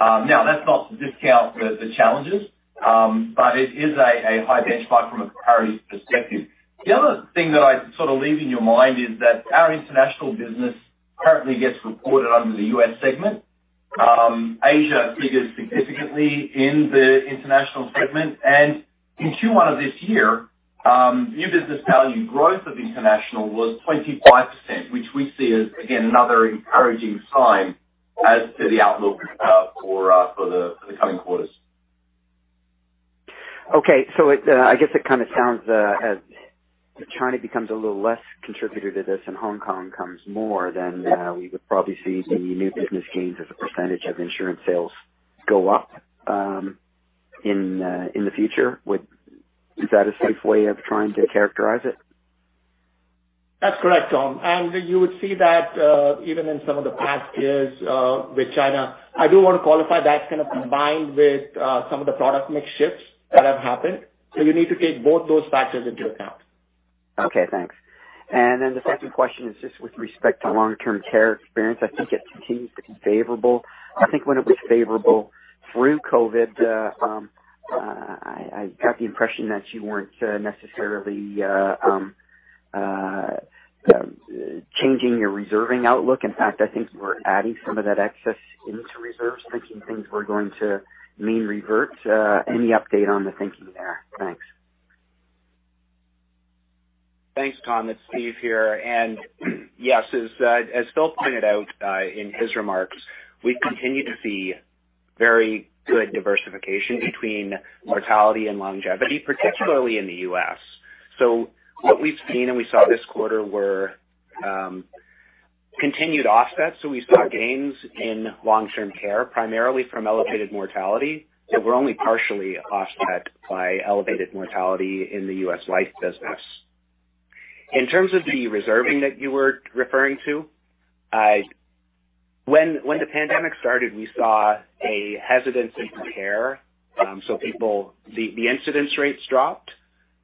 Now that's not to discount the challenges, but it is a high benchmark from a priority perspective. The other thing that I sort of leave in your mind is that our international business currently gets reported under the U.S. segment. Asia figures significantly in the international segment. In Q1 of this year, new business value growth of international was 25%, which we see as, again, another encouraging sign as to the outlook for the coming quarters. Okay. I guess it kind of sounds as China becomes a little less contributor to this and Hong Kong comes more, then we would probably see the new business gains as a percentage of insurance sales go up in the future. Is that a safe way of trying to characterize it? That's correct, Tom. You would see that, even in some of the past years, with China. I do want to qualify that kind of combined with some of the product mix shifts that have happened. You need to take both those factors into account. Okay, thanks. The second question is just with respect to long-term care experience, I think it continues to be favorable. I think when it was favorable through COVID, I got the impression that you weren't necessarily changing your reserving outlook. In fact, I think you were adding some of that excess into reserves, thinking things were going to mean revert. Any update on the thinking there? Thanks. Thanks, Tom. It's Steve here. Yes, as Phil pointed out in his remarks, we continue to see very good diversification between mortality and longevity, particularly in the U.S. What we've seen and we saw this quarter were continued offsets. We saw gains in long-term care, primarily from elevated mortality. We're only partially offset by elevated mortality in the U.S. life business. In terms of the reserving that you were referring to, when the pandemic started, we saw a hesitancy to care. People, the incidence rates dropped,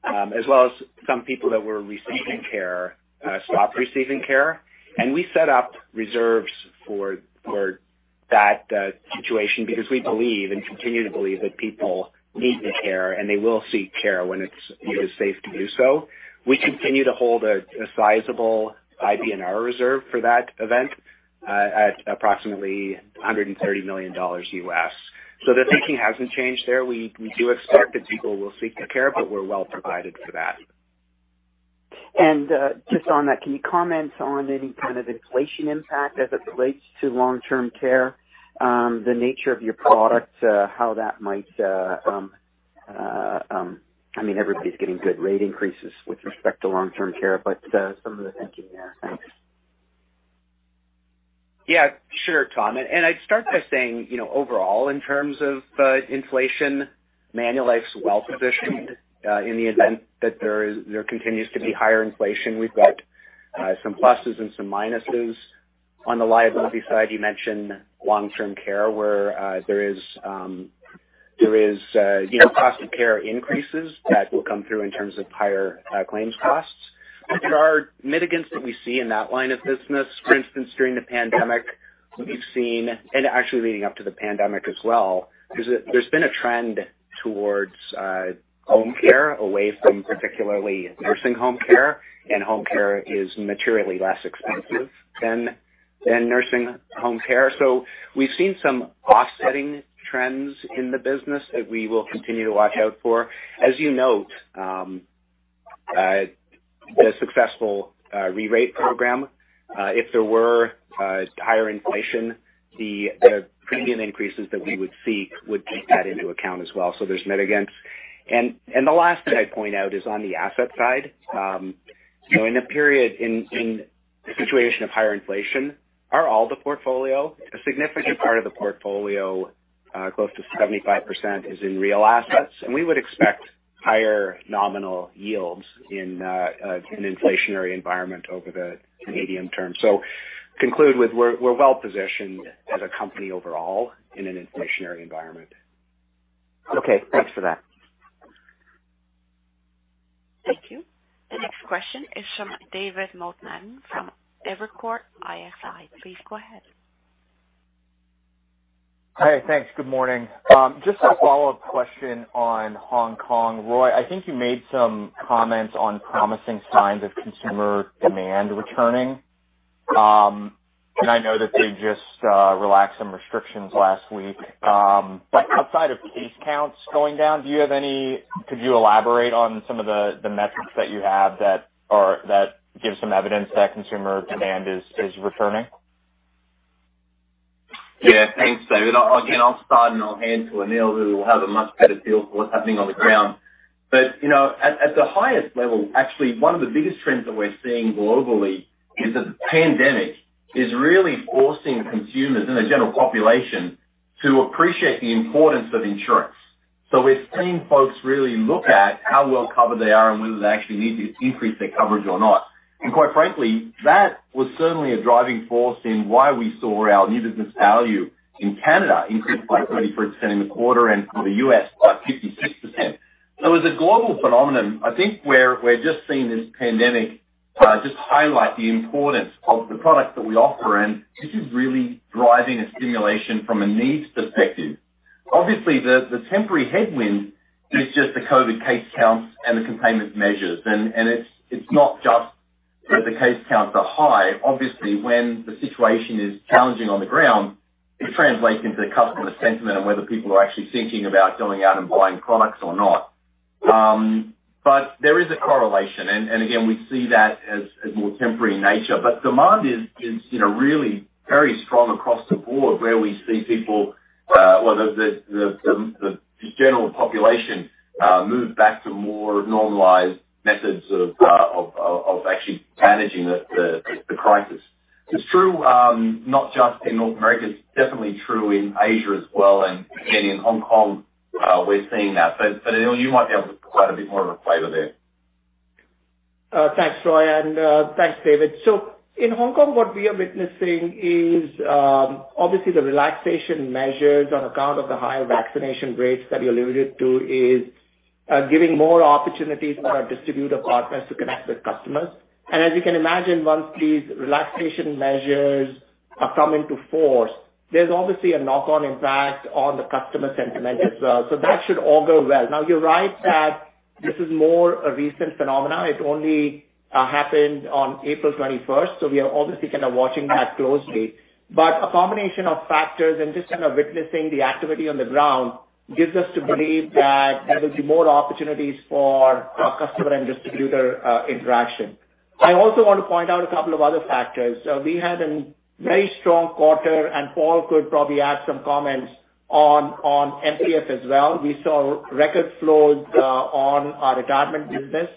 as well as some people that were receiving care stopped receiving care. We set up reserves for that situation because we believe and continue to believe that people need the care, and they will seek care when it's, you know, safe to do so. We continue to hold a sizable IBNR reserve for that event at approximately $130 million. The thinking hasn't changed there. We do expect that people will seek the care, but we're well provided for that. Just on that, can you comment on any kind of inflation impact as it relates to long-term care, the nature of your product, how that might? I mean, everybody's getting good rate increases with respect to long-term care, but some of the thinking there. Thanks. Yeah, sure, Tom. I'd start by saying, you know, overall, in terms of inflation, Manulife's well-positioned in the event that there continues to be higher inflation. We've got some pluses and some minuses. On the liability side, you mentioned long-term care, where there is, you know, cost of care increases that will come through in terms of higher claims costs. There are mitigants that we see in that line of business. For instance, during the pandemic, we've seen, and actually leading up to the pandemic as well, is that there's been a trend towards home care away from particularly nursing home care, and home care is materially less expensive than nursing home care. So we've seen some offsetting trends in the business that we will continue to watch out for. As you note, the successful re-rate program, if there were higher inflation, the premium increases that we would seek would take that into account as well. There's mitigants. The last thing I'd point out is on the asset side. You know, in a situation of higher inflation, our ALDA portfolio, a significant part of the portfolio, close to 75% is in real assets, and we would expect higher nominal yields in an inflationary environment over the Canadian term. Conclude with we're well positioned as a company overall in an inflationary environment. Okay. Thanks for that. Thank you. The next question is from David Motemaden from Evercore ISI. Please go ahead. Hey, thanks. Good morning. Just a follow-up question on Hong Kong. Roy, I think you made some comments on promising signs of consumer demand returning. I know that they just relaxed some restrictions last week. Outside of case counts going down, could you elaborate on some of the metrics that you have that give some evidence that consumer demand is returning? Yeah, thanks, David. Again, I'll start and I'll hand to Anil, who will have a much better feel for what's happening on the ground. You know, at the highest level, actually one of the biggest trends that we're seeing globally is that the pandemic is really forcing consumers and the general population to appreciate the importance of insurance. We're seeing folks really look at how well covered they are and whether they actually need to increase their coverage or not. Quite frankly, that was certainly a driving force in why we saw our new business value in Canada increase by 33% in the quarter and in the U.S. by 56%. As a global phenomenon, I think we're just seeing this pandemic just highlight the importance of the products that we offer, and this is really driving a stimulation from a needs perspective. Obviously, the temporary headwind is just the COVID case counts and the containment measures. It's not just that the case counts are high. Obviously, when the situation is challenging on the ground, it translates into the customer sentiment and whether people are actually thinking about going out and buying products or not. There is a correlation. Again, we see that as more temporary in nature. Demand is, you know, really very strong across the board, where we see people or the general population ManulifeMOVE back to more normalized methods of actually managing the crisis. It's true, not just in North America, it's definitely true in Asia as well. Again, in Hong Kong, we're seeing that. Anil, you might be able to provide a bit more of a flavor there. Thanks, Roy, and thanks, David. In Hong Kong, what we are witnessing is obviously the relaxation measures on account of the higher vaccination rates that you alluded to is giving more opportunities for our distributor partners to connect with customers. As you can imagine, once these relaxation measures are come into force, there's obviously a knock-on impact on the customer sentiment as well. That should all go well. Now, you're right that this is more a recent phenomena. It only happened on April 21. We are obviously kind of watching that closely. A combination of factors and just kind of witnessing the activity on the ground gives us to believe that there will be more opportunities for our customer and distributor interaction. I also want to point out a couple of other factors. We had a very strong quarter, and Paul could probably add some comments on MPF as well. We saw record flows on our retirement business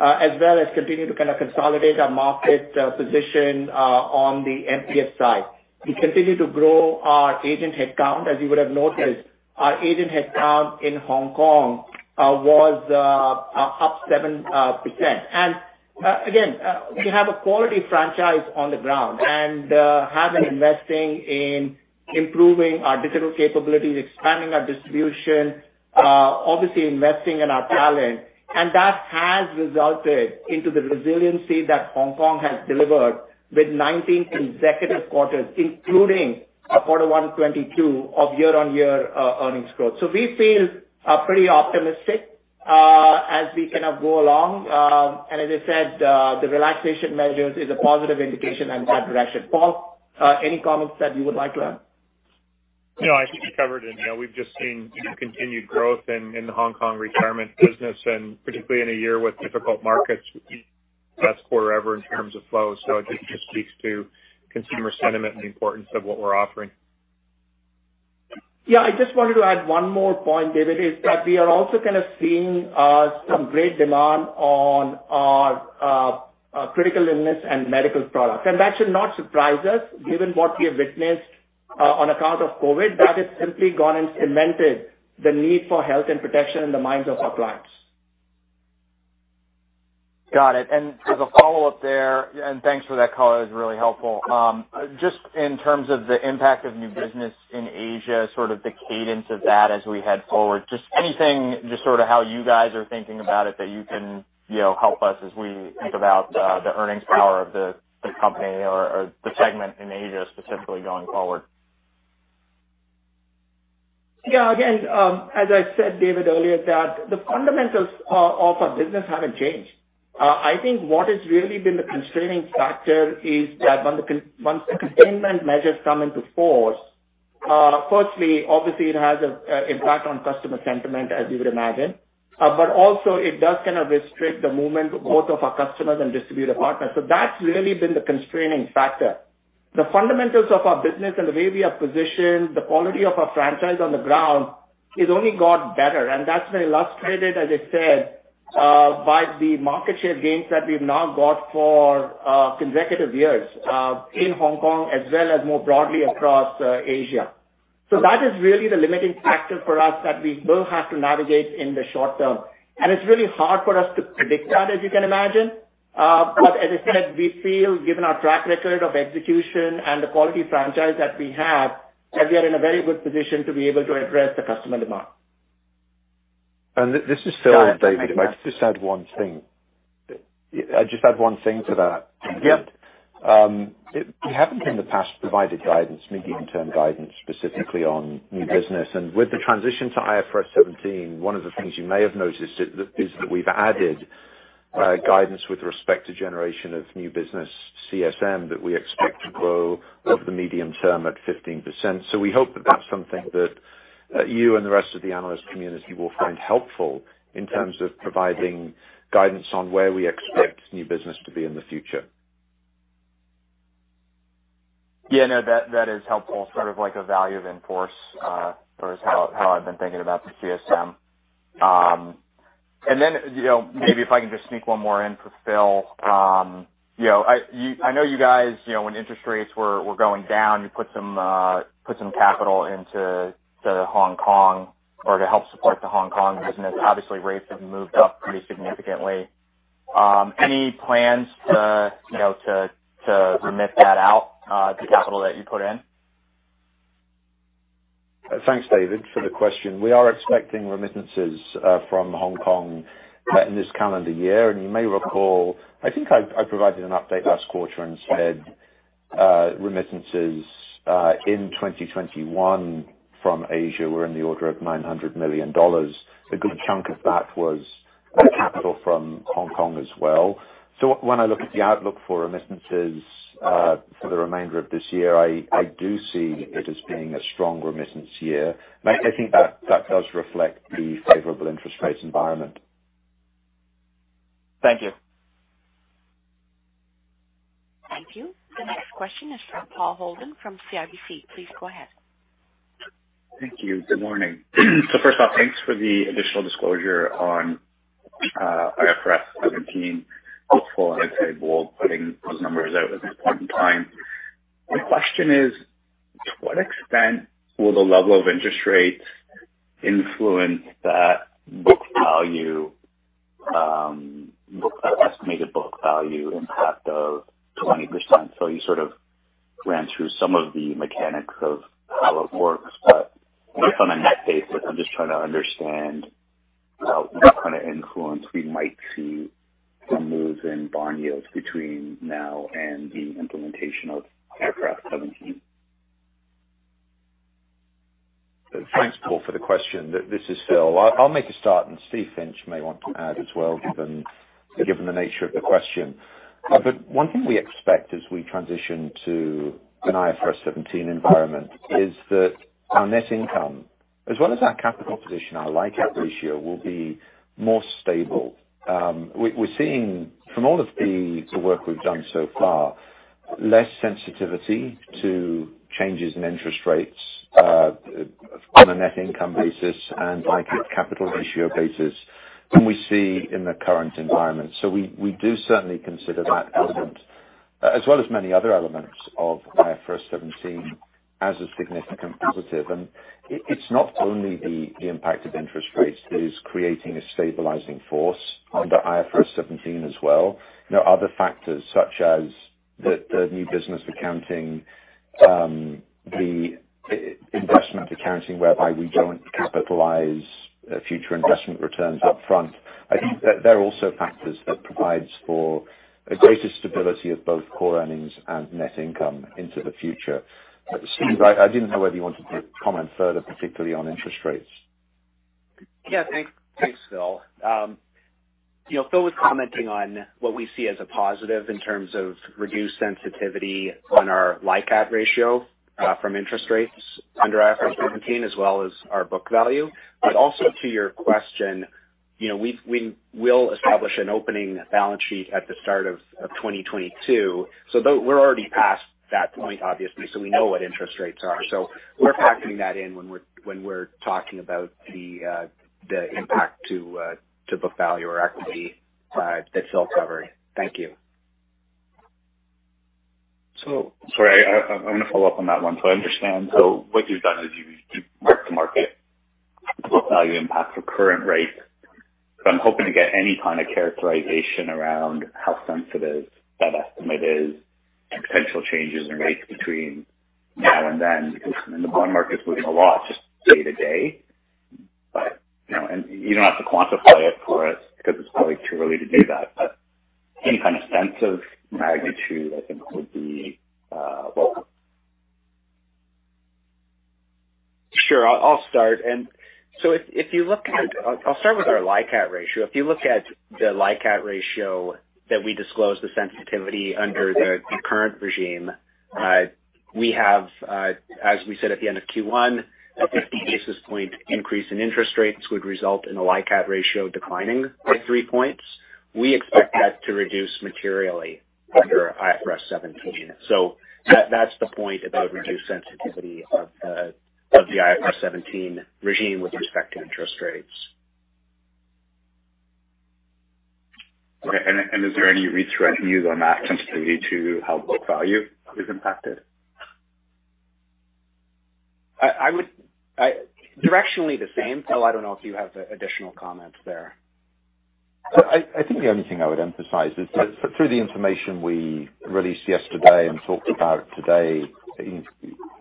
as well as continuing to kind of consolidate our market position on the MPF side. We continue to grow our agent headcount. As you would have noticed, our agent headcount in Hong Kong was up 7%. Again, we have a quality franchise on the ground and have been investing in improving our digital capabilities, expanding our distribution, obviously investing in our talent, and that has resulted into the resiliency that Hong Kong has delivered with 19 consecutive quarters, including Q1 2022 of year-on-year earnings growth. We feel pretty optimistic as we kind of go along. As I said, the relaxation measures is a positive indication in that direction. Paul, any comments that you would like to add? No, I think you covered it. You know, we've just seen continued growth in the Hong Kong retirement business, and particularly in a year with difficult markets, best quarter ever in terms of flow. It just speaks to consumer sentiment and the importance of what we're offering. Yeah. I just wanted to add one more point, David, is that we are also kind of seeing some great demand on our critical illness and medical products. That should not surprise us given what we have witnessed on account of COVID. That has simply gone and cemented the need for health and protection in the minds of our clients. Got it. As a follow-up there, and thanks for that color, it was really helpful. Just in terms of the impact of new business in Asia, sort of the cadence of that as we head forward. Just anything, just sort of how you guys are thinking about it that you can, you know, help us as we think about, the earnings power of the company or the segment in Asia specifically going forward. Yeah. Again, as I said, David, earlier, that the fundamentals of our business haven't changed. I think what has really been the constraining factor is that once the containment measures come into force, firstly, obviously it has an impact on customer sentiment, as you would imagine. But also it does kind of restrict the movement both of our customers and distributor partners. So that's really been the constraining factor. The fundamentals of our business and the way we are positioned, the quality of our franchise on the ground has only got better. That's been illustrated, as I said, by the market share gains that we've now got for consecutive years in Hong Kong as well as more broadly across Asia. That is really the limiting factor for us that we will have to navigate in the short term. It's really hard for us to predict that, as you can imagine. As I said, we feel given our track record of execution and the quality franchise that we have, that we are in a very good position to be able to address the customer demand. This is Phil, David. If I could just add one thing to that. Yep. We haven't in the past provided guidance, medium-term guidance specifically on new business. With the transition to IFRS 17, one of the things you may have noticed is that we've added guidance with respect to generation of new business CSM that we expect to grow over the medium term at 15%. We hope that that's something that you and the rest of the analyst community will find helpful in terms of providing guidance on where we expect new business to be in the future. Yeah, no, that is helpful. Sort of like a value in force is how I've been thinking about the CSM. You know, maybe if I can just sneak one more in for Phil. You know, I know you guys, you know, when interest rates were going down, you put some capital into the Hong Kong to help support the Hong Kong business. Obviously rates have moved up pretty significantly. Any plans to, you know, remit that out, the capital that you put in? Thanks, David, for the question. We are expecting remittances from Hong Kong in this calendar year. You may recall, I think I provided an update last quarter and said remittances in 2021 from Asia were in the order of 900 million dollars. A good chunk of that was capital from Hong Kong as well. When I look at the outlook for remittances for the remainder of this year, I do see it as being a strong remittance year. I think that does reflect the favorable interest rates environment. Thank you. Thank you. The next question is from Paul Holden from CIBC. Please go ahead. Thank you. Good morning. First off, thanks for the additional disclosure on IFRS 17. Hopeful and I'd say bold putting those numbers out at this point in time. My question is, to what extent will the level of interest rates influence that book value. That estimated book value impact of 20%? You sort of ran through some of the mechanics of how it works. More from a net basis, I'm just trying to understand what kind of influence we might see from moves in bond yields between now and the implementation of IFRS 17. Thanks, Paul, for the question. This is Phil. I'll make a start, and Steve Finch may want to add as well, given the nature of the question. But one thing we expect as we transition to an IFRS 17 environment is that our net income as well as our capital position, our LICAT ratio, will be more stable. We're seeing from all of the work we've done so far, less sensitivity to changes in interest rates, on a net income basis and LICAT capital ratio basis than we see in the current environment. We do certainly consider that element as well as many other elements of IFRS 17 as a significant positive. It's not only the impact of interest rates that is creating a stabilizing force under IFRS 17 as well. There are other factors such as the new business accounting, the investment accounting whereby we don't capitalize future investment returns upfront. I think that there are also factors that provides for a greater stability of both core earnings and net income into the future. Steve, I didn't know whether you wanted to comment further, particularly on interest rates. Yeah. Thanks. Thanks, Phil. You know, Phil was commenting on what we see as a positive in terms of reduced sensitivity on our LICAT ratio from interest rates under IFRS 17 as well as our book value. Also to your question, you know, we will establish an opening balance sheet at the start of 2022. Though we're already past that point, obviously, we know what interest rates are. We're factoring that in when we're talking about the impact to book value or equity that Phil covered. Thank you. Sorry, I'm gonna follow up on that one so I understand. What you've done is you mark to market book value impact for current rates. I'm hoping to get any kind of characterization around how sensitive that estimate is to potential changes in rates between now and then, because the bond market's moving a lot just day to day. You know, and you don't have to quantify it for us because it's probably too early to do that, but any kind of sense of magnitude I think would be welcome. I'll start with our LICAT ratio. If you look at the LICAT ratio that we disclose the sensitivity under the current regime, we have, as we said at the end of Q1, a 50 basis point increase in interest rates would result in the LICAT ratio declining by three points. We expect that to reduce materially under IFRS 17. That's the point about reduced sensitivity of the IFRS 17 regime with respect to interest rates. Okay. Is there any read-through I can use on that sensitivity to how book value is impacted? Directionally the same. Phil, I don't know if you have additional comments there? I think the only thing I would emphasize is that through the information we released yesterday and talked about today,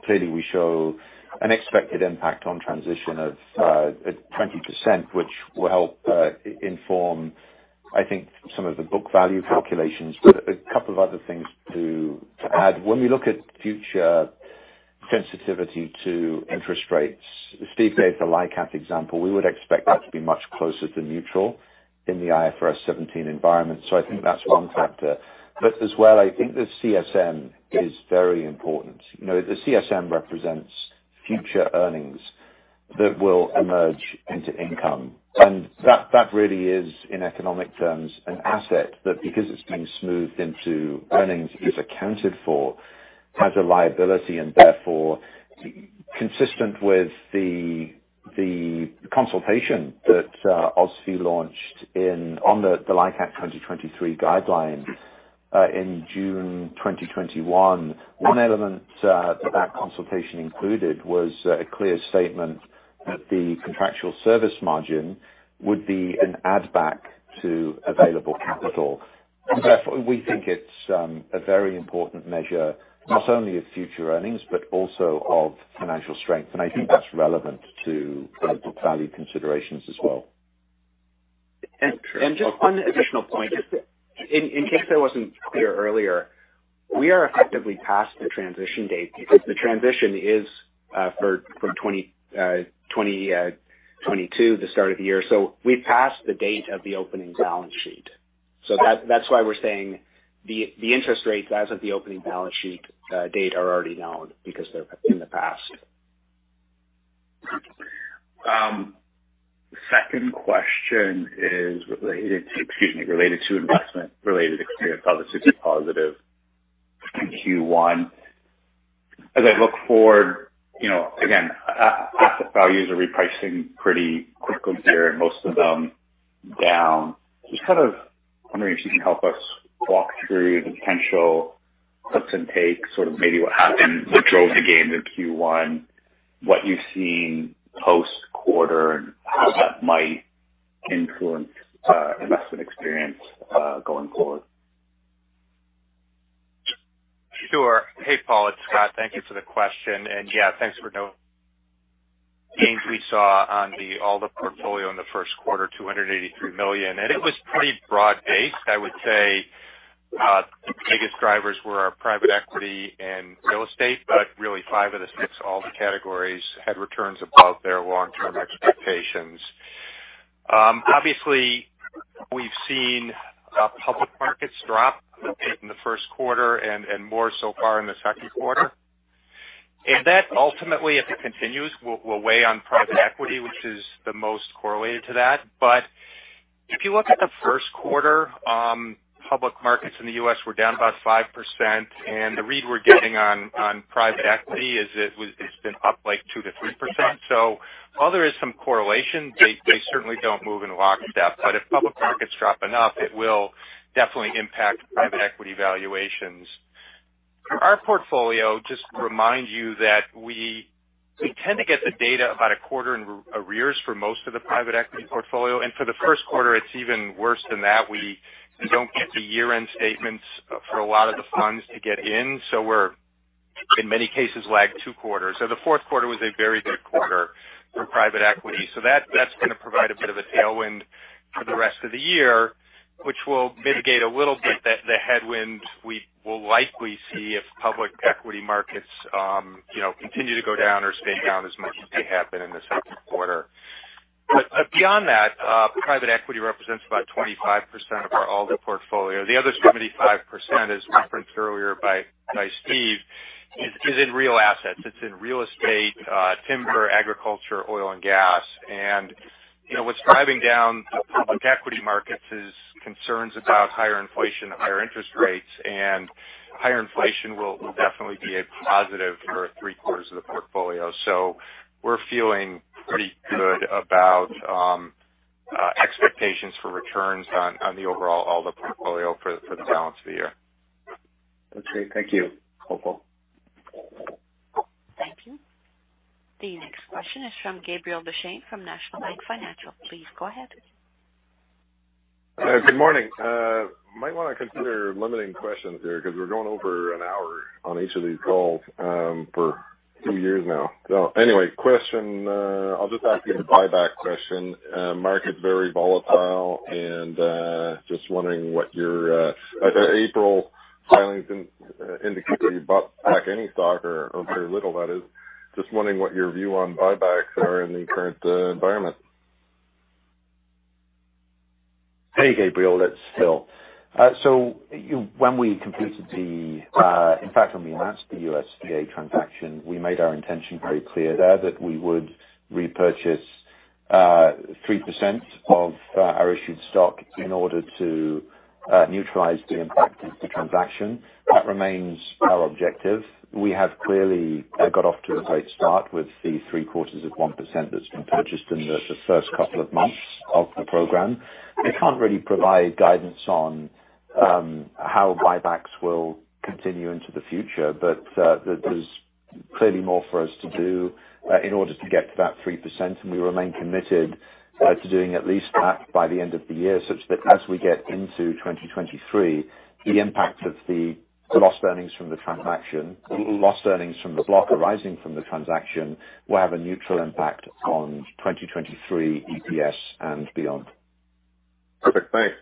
clearly we show an expected impact on transition of 20%, which will help inform, I think, some of the book value calculations. A couple of other things to add. When we look at future sensitivity to interest rates, Steve gave the LICAT example. We would expect that to be much closer to neutral in the IFRS 17 environment. I think that's one factor. As well, I think the CSM is very important. You know, the CSM represents future earnings. That will emerge into income. That really is in economic terms, an asset that because it's being smoothed into earnings is accounted for as a liability and therefore consistent with the consultation that OSFI launched on the LICAT 2023 guidelines, in June 2021. One element that consultation included was a clear statement that the contractual service margin would be an add back to available capital. Therefore, we think it's a very important measure, not only of future earnings but also of financial strength. I think that's relevant to book value considerations as well. Just one additional point. In case I wasn't clear earlier, we are effectively past the transition date because the transition is for 2022, the start of the year. We passed the date of the opening balance sheet. That's why we're saying the interest rates as of the opening balance sheet date are already known because they're in the past. Second question is related to investment-related experience, how the 60 positive in Q1. As I look forward, again, asset values are repricing pretty quickly there and most of them down. Just kind of wondering if you can help us walk through the potential puts and takes or maybe what happened, what drove the gain in Q1, what you've seen post quarter, and how that might influence investment experience going forward. Sure. Hey, Paul, it's Scott. Thank you for the question. Yeah, thanks for noting. Gains we saw on the ALDA portfolio in the Q1, 283 million. It was pretty broad-based. I would say the biggest drivers were our private equity and real estate, but really five of the six ALDA categories had returns above their long-term expectations. Obviously, we've seen public markets drop a bit in the Q1 and more so far in the Q2. That ultimately, if it continues, will weigh on private equity, which is the most correlated to that. If you look at the Q1, public markets in the U.S. were down about 5%, and the read we're getting on private equity is it's been up like 2%-3%. While there is some correlation, they certainly don't ManulifeMOVE in lockstep. If public markets drop enough, it will definitely impact private equity valuations. Our portfolio, just to remind you that we tend to get the data about a quarter in arrears for most of the private equity portfolio. For the Q1, it's even worse than that. We don't get the year-end statements for a lot of the funds to get in. We're in many cases lag two quarters. The Q4 was a very good quarter for private equity. That's going to provide a bit of a tailwind for the rest of the year, which will mitigate a little bit the headwind we will likely see if public equity markets, you know, continue to go down or stay down as much as they have been in the Q2. Beyond that, private equity represents about 25% of our ALDA portfolio. The other 75%, as referenced earlier by Steve, is in real assets. It's in real estate, timber, agriculture, oil and gas. You know, what's driving down public equity markets is concerns about higher inflation and higher interest rates. Higher inflation will definitely be a positive for three-quarters of the portfolio. We're feeling pretty good about expectations for returns on the overall ALDA portfolio for the balance of the year. Okay, thank you. Over. Thank you. The next question is from Gabriel Deschenes, from National Bank Financial. Please go ahead. Good morning. Might want to consider limiting questions here because we're going over an hour on each of these calls, for two years now. Anyway, question, I'll just ask you the buyback question. Market's very volatile and, just wondering what your April filings indicated you bought back any stock or very little, that is. Just wondering what your view on buybacks are in the current environment. Hey, Gabriel, it's Phil. When we completed, in fact, when we announced the U.S. VA transaction, we made our intention very clear there that we would repurchase 3% of our issued stock in order to neutralize the impact of the transaction. That remains our objective. We have clearly got off to a great start with the three-quarters of 1% that's been purchased in the first couple of months of the program. I can't really provide guidance on how buybacks will continue into the future, but there's clearly more for us to do in order to get to that 3%. We remain committed to doing at least that by the end of the year, such that as we get into 2023, the impact of the lost earnings from the transaction, lost earnings from the block arising from the transaction, will have a neutral impact on 2023 EPS and beyond. Perfect. Thanks.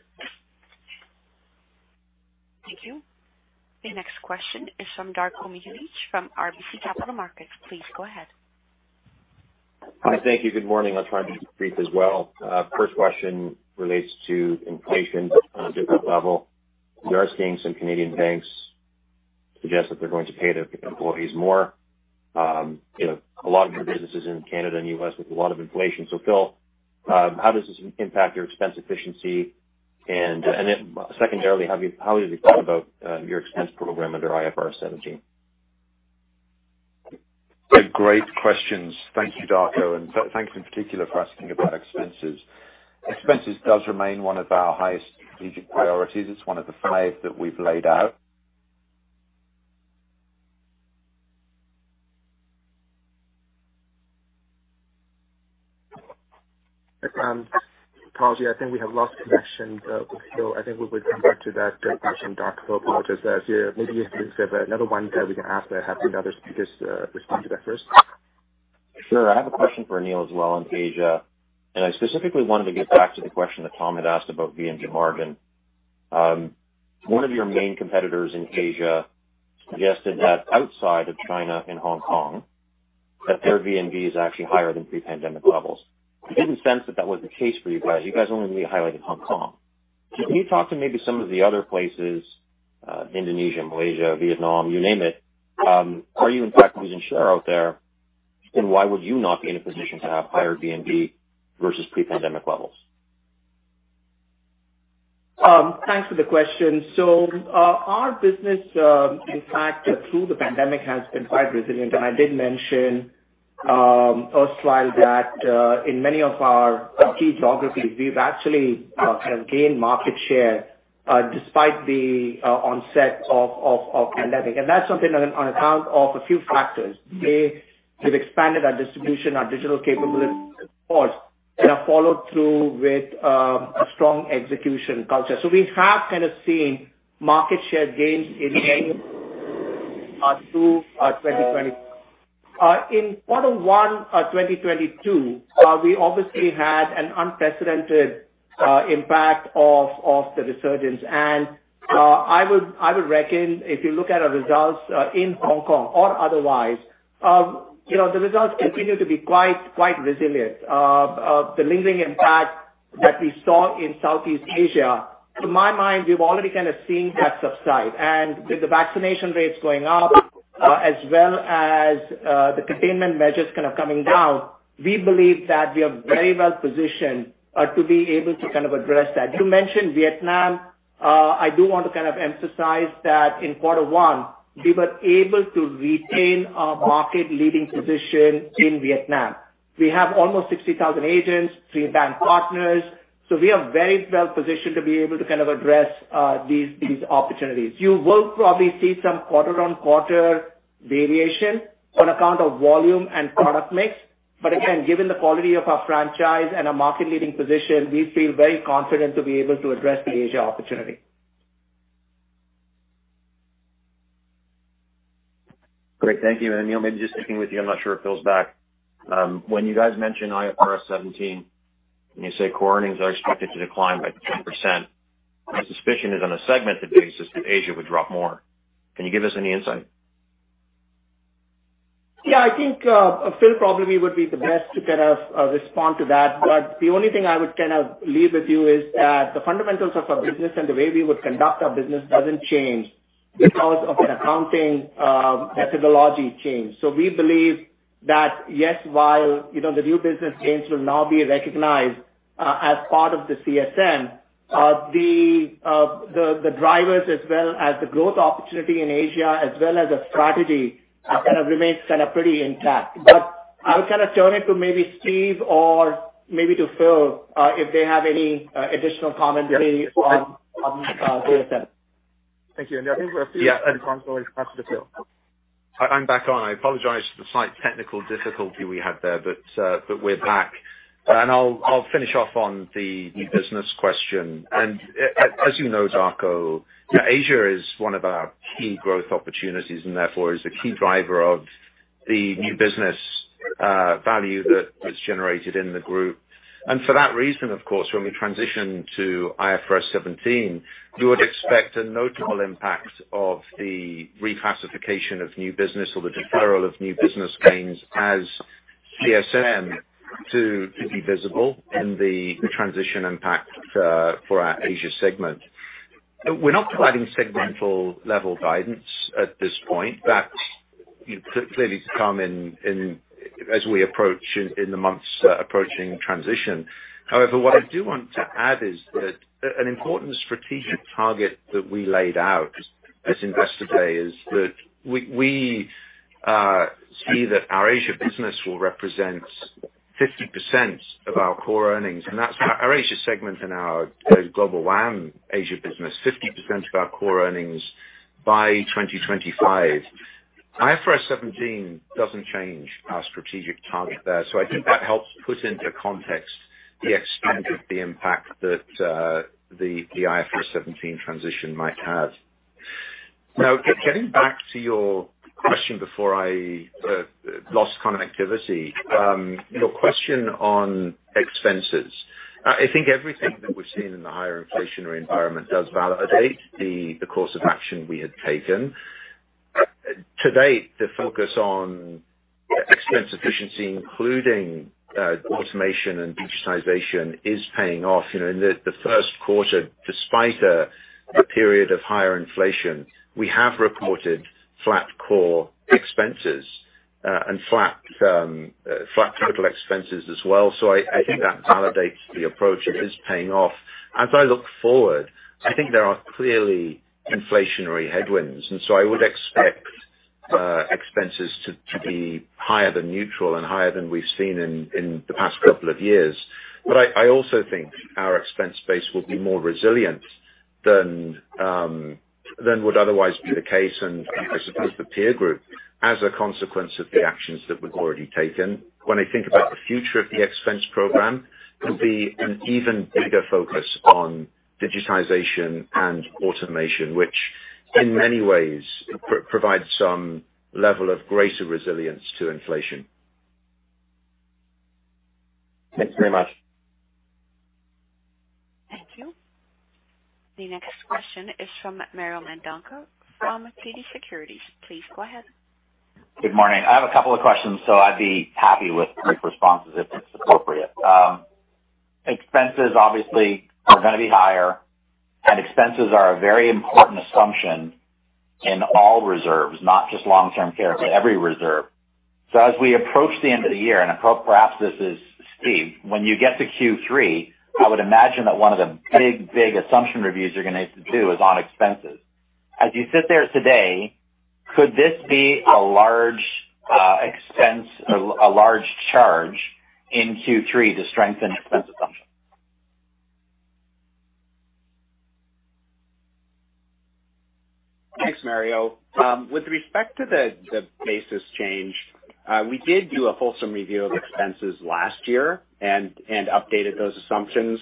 Thank you. The next question is from Darko Mihelic from RBC Capital Markets. Please go ahead. Thank you. Good morning. I'll try to be brief as well. First question relates to inflation but on a different level. We are seeing some Canadian banks suggest that they're going to pay their employees more. You know, a lot of your businesses in Canada and U.S. with a lot of inflation. Phil, how does this impact your expense efficiency? Secondarily, how have you thought about your expense program under IFRS 17? Great questions. Thank you, Darko. Thanks in particular for asking about expenses. Expenses does remain one of our highest strategic priorities. It's one of the five that we've laid out. Apologies, I think we have lost connection with Phil. I think we would come back to that question, Darko. Apologies for that here. Maybe if you have another one that we can ask there. Have the other speakers respond to that first. Sure. I have a question for Anil as well on Asia, and I specifically wanted to get back to the question that Tom had asked about VNB margin. One of your main competitors in Asia suggested that outside of China and Hong Kong, that their VNB is actually higher than pre-pandemic levels. I didn't sense that that was the case for you guys. You guys only really highlighted Hong Kong. Can you talk to maybe some of the other places, Indonesia, Malaysia, Vietnam, you name it. Are you in fact losing share out there? And why would you not be in a position to have higher VNB versus pre-pandemic levels? Thanks for the question. Our business, in fact, through the pandemic has been quite resilient. I did mention earlier that in many of our key geographies, we've actually kind of gained market share despite the onset of pandemic. That's something on account of a few factors. A, we've expanded our distribution, our digital capabilities and have followed through with a strong execution culture. We have kind of seen market share gains through 2020. In Q1 2022, we obviously had an unprecedented impact of the resurgence. I would reckon if you look at our results in Hong Kong or otherwise, you know, the results continue to be quite resilient. The lingering impact that we saw in Southeast Asia, to my mind, we've already kind of seen that subside. With the vaccination rates going up, as well as, the containment measures kind of coming down, we believe that we are very well positioned to be able to kind of address that. You mentioned Vietnam. I do want to kind of emphasize that in Q1, we were able to retain our market leading position in Vietnam. We have almost 60,000 agents, three bank partners, so we are very well positioned to be able to kind of address these opportunities. You will probably see some quarter-on-quarter variation on account of volume and product mix. Again, given the quality of our franchise and our market leading position, we feel very confident to be able to address the Asia opportunity. Great. Thank you. Anil, maybe just sticking with you, I'm not sure if Phil's back. When you guys mention IFRS 17 and you say core earnings are expected to decline by 10%, my suspicion is, on a segment basis, that Asia would drop more. Can you give us any insight? Yeah, I think, Phil probably would be the best to kind of respond to that. The only thing I would kind of leave with you is that the fundamentals of our business and the way we would conduct our business doesn't change because of an accounting methodology change. We believe that, yes, while, you know, the new business gains will now be recognized as part of the CSM, the drivers as well as the growth opportunity in Asia as well as the strategy kind of remains kind of pretty intact. I'll kind of turn it to maybe Steve or maybe to Phil if they have any additional commentary on CSM. Thank you. I think we'll pass it to Phil. I'm back on. I apologize for the slight technical difficulty we had there, but we're back. I'll finish off on the business question. As you know, Darko, Asia is one of our key growth opportunities and therefore is a key driver of the new business value that is generated in the group. For that reason, of course, when we transition to IFRS 17, you would expect a notable impact of the reclassification of new business or the deferral of new business gains as CSM to be visible in the transition impact for our Asia segment. We're not providing segmental level guidance at this point. That could clearly come in as we approach the months approaching transition. However, what I do want to add is that an important strategic target that we laid out at Investor Day is that we see that our Asia business will represent 50% of our core earnings. That's our Asia segment in our Global Wealth Management Asia business, 50% of our core earnings by 2025. IFRS 17 doesn't change our strategic target there. I think that helps put into context the extent of the impact that the IFRS 17 transition might have. Now, getting back to your question before I lost connectivity, your question on expenses. I think everything that we're seeing in the higher inflationary environment does validate the course of action we had taken. To date, the focus on expense efficiency, including automation and digitization, is paying off. You know, in the Q1, despite a period of higher inflation, we have reported flat core expenses, and flat total expenses as well. I think that validates the approach. It is paying off. As I look forward, I think there are clearly inflationary headwinds, and I would expect expenses to be higher than neutral and higher than we've seen in the past couple of years. I also think our expense base will be more resilient than would otherwise be the case, and I suppose the peer group, as a consequence of the actions that we've already taken. When I think about the future of the expense program, could be an even bigger focus on digitization and automation, which in many ways provides some level of greater resilience to inflation. Thanks very much. Thank you. The next question is from Mario Mendonca from TD Securities. Please go ahead. Good morning. I have a couple of questions, so I'd be happy with brief responses if it's appropriate. Expenses obviously are gonna be higher, and expenses are a very important assumption in all reserves, not just long-term care, but every reserve. As we approach the end of the year, and perhaps this is Steve, when you get to Q3, I would imagine that one of the big assumption reviews you're gonna need to do is on expenses. As you sit there today, could this be a large expense, a large charge in Q3 to strengthen expense assumptions? Thanks, Mario. With respect to the basis change, we did do a fulsome review of expenses last year and updated those assumptions.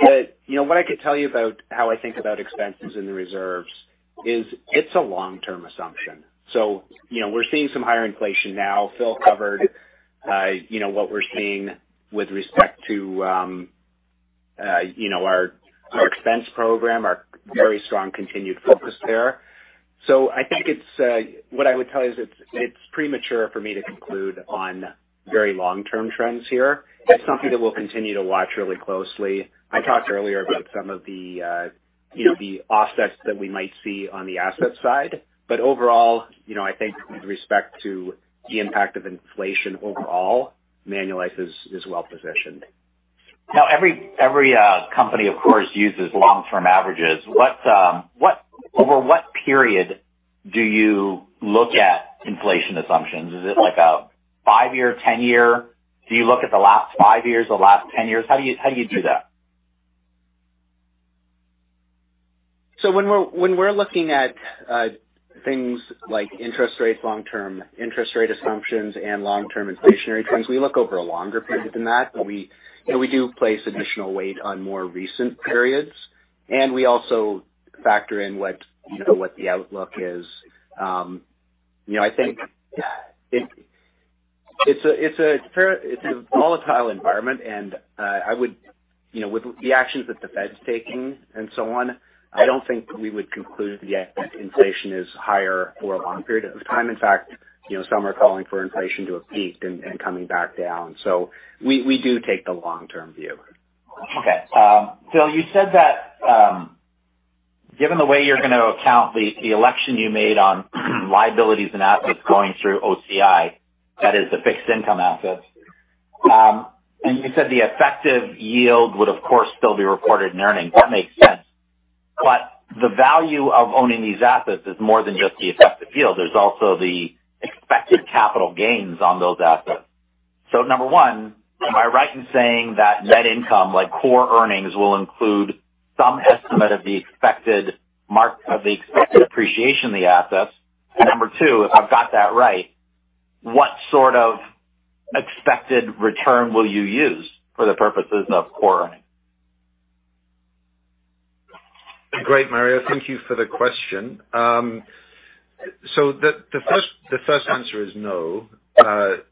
You know, what I could tell you about how I think about expenses in the reserves is it's a long-term assumption. You know, we're seeing some higher inflation now. Phil covered, you know, what we're seeing with respect to, you know, our expense program, our very strong continued focus there. I think it's what I would tell you is it's premature for me to conclude on very long-term trends here. It's something that we'll continue to watch really closely. I talked earlier about some of the, you know, the offsets that we might see on the asset side, but overall, you know, I think with respect to the impact of inflation overall, Manulife is well-positioned. Now, every company, of course, uses long-term averages. Over what period do you look at inflation assumptions? Is it like a five-year, ten-year? Do you look at the last five years, the last ten years? How do you do that? When we're looking at things like interest rates, long-term interest rate assumptions and long-term inflationary trends, we look over a longer period than that. We, you know, do place additional weight on more recent periods, and we also factor in what you know the outlook is. You know, I think it's a fairly volatile environment. You know, with the actions that the Fed's taking and so on, I don't think we would conclude yet that inflation is higher for a long period of time. In fact, you know, some are calling for inflation to have peaked and coming back down. We do take the long-term view. Okay. Phil, you said that, given the way you're gonna account the election you made on liabilities and assets going through OCI, that is the fixed income assets, and you said the effective yield would of course still be recorded in earnings. That makes sense. The value of owning these assets is more than just the effective yield. There's also the expected capital gains on those assets. Number one, am I right in saying that net income, like core earnings, will include some estimate of the expected appreciation of the assets? And number two, if I've got that right, what sort of expected return will you use for the purposes of core earnings? Great, Mario. Thank you for the question. The first answer is no.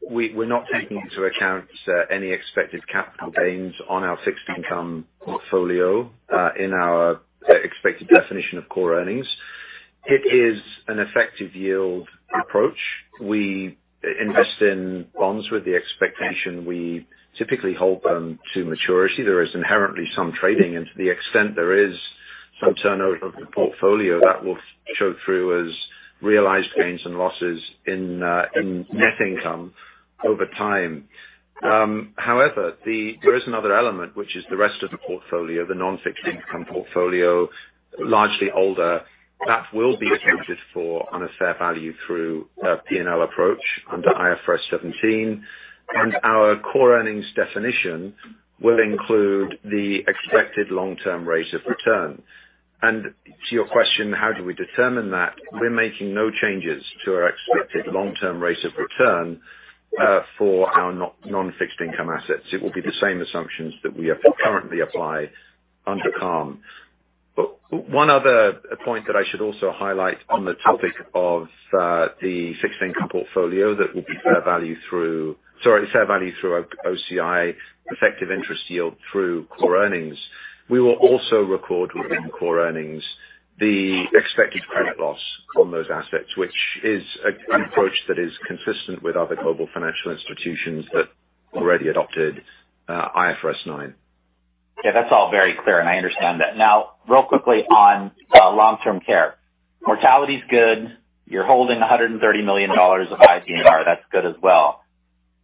We're not taking into account any expected capital gains on our fixed income portfolio in our expected definition of core earnings. It is an effective yield approach. We invest in bonds with the expectation, we typically hold them to maturity. There is inherently some trading, and to the extent there is some turnover of the portfolio, that will show through as realized gains and losses in net income over time. However, there is another element, which is the rest of the portfolio, the non-fixed income portfolio, largely older, that will be accounted for on a fair value through a P&L approach under IFRS 17, and our core earnings definition will include the expected long-term rate of return. To your question, how do we determine that? We're making no changes to our expected long-term rate of return for our non-fixed income assets. It will be the same assumptions that we have currently applied under CALM. One other point that I should also highlight on the topic of the fixed income portfolio that will be fair value through OCI, effective interest yield through core earnings. We will also record within core earnings the expected credit loss on those assets, which is an approach that is consistent with other global financial institutions that already adopted IFRS 9. Yeah, that's all very clear, and I understand that. Now, real quickly on long-term care. Mortality is good. You're holding $130 million of IBNR. That's good as well.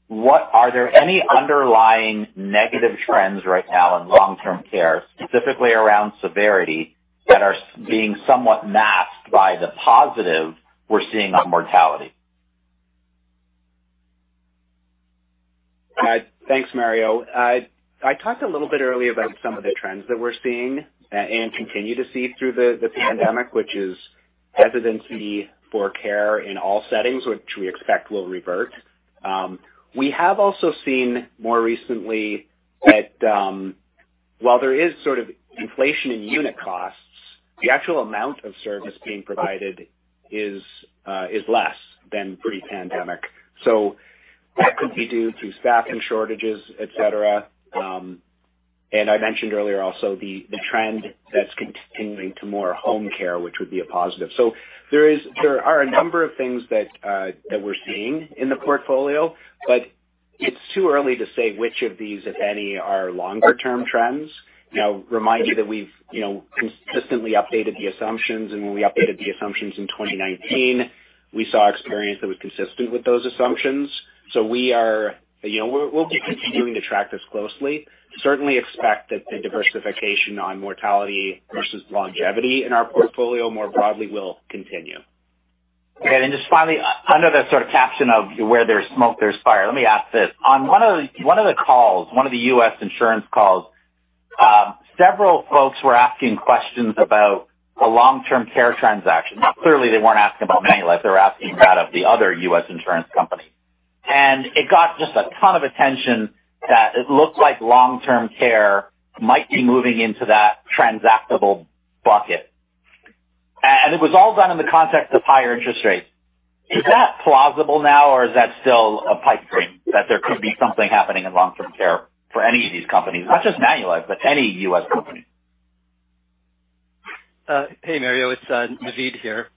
Are there any underlying negative trends right now in long-term care, specifically around severity, that are being somewhat masked by the positive we're seeing on mortality? Thanks, Mario. I talked a little bit earlier about some of the trends that we're seeing and continue to see through the pandemic, which is hesitancy for care in all settings, which we expect will revert. We have also seen more recently that, while there is sort of inflation in unit costs, the actual amount of service being provided is less than pre-pandemic. That could be due to staffing shortages, et cetera. I mentioned earlier also the trend that's continuing to more home care, which would be a positive. There are a number of things that we're seeing in the portfolio, but it's too early to say which of these, if any, are longer-term trends. Now, remind you that we've, you know, consistently updated the assumptions, and when we updated the assumptions in 2019, we saw experience that was consistent with those assumptions. We are, you know, we're continuing to track this closely. Certainly expect that the diversification on mortality versus longevity in our portfolio more broadly will continue. Okay. Just finally, under the sort of caption of where there's smoke, there's fire, let me ask this. On one of the US insurance calls, several folks were asking questions about a long-term care transaction. Clearly, they weren't asking about Manulife, they were asking about one of the other US insurance company. And it got just a ton of attention that it looked like long-term care might be moving into that transactable bucket. And it was all done in the context of higher interest rates. Is that plausible now, or is that still a pipe dream, that there could be something happening in long-term care for any of these companies? Not just Manulife, but any US company. Hey, Mario, it's Naveed here.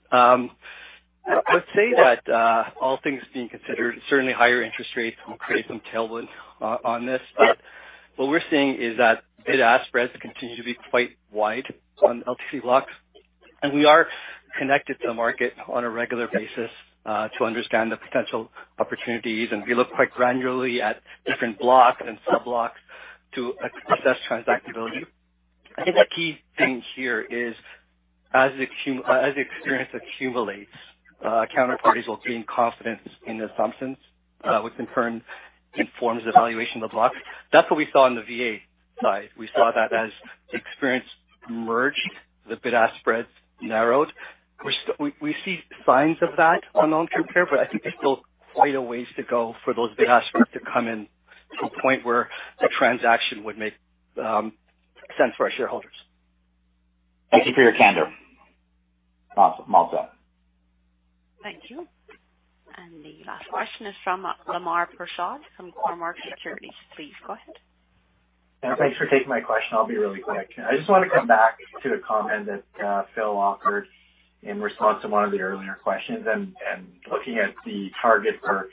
I would say that, all things being considered, certainly higher interest rates will create some tailwind on this. What we're seeing is that bid-ask spreads continue to be quite wide on LTC blocks, and we are connected to the market on a regular basis, to understand the potential opportunities, and we look quite granularly at different blocks and sub-blocks to assess transactability. I think the key thing here is as experience accumulates, counterparties will gain confidence in the assumptions, which informs the valuation of the block. That's what we saw on the VA side. We saw that as the experience emerged, the bid-ask spreads narrowed. We see signs of that on long-term care, but I think there's still quite a ways to go for those bid-ask spreads to come in to a point where a transaction would make sense for our shareholders. Thank you for your candor. Awesome. Operator. Thank you. The last question is from Lemar Persaud from Cormark Securities. Please go ahead. Thanks for taking my question. I'll be really quick. I just want to come back to a comment that Phil offered in response to one of the earlier questions and looking at the target for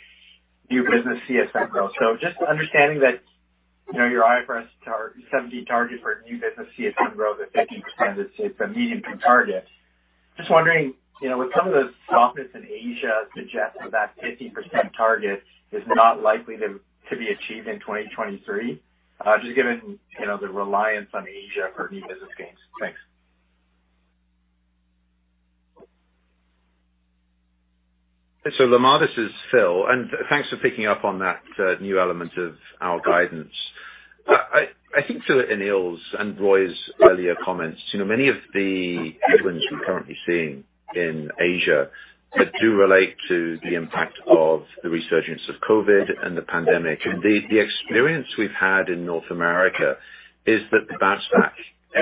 new business CSM growth. Just understanding that, you know, your IFRS 17 target for new business CSM growth at 15%, it's a medium-term target. Just wondering, you know, would some of the softness in Asia suggest that 15% target is not likely to be achieved in 2023, just given, you know, the reliance on Asia for new business gains? Thanks. Lemar, this is Phil, and thanks for picking up on that new element of our guidance. I think to Anil's and Roy's earlier comments, you know, many of the headwinds we're currently seeing in Asia do relate to the impact of the resurgence of COVID and the pandemic. The experience we've had in North America is that the bounce back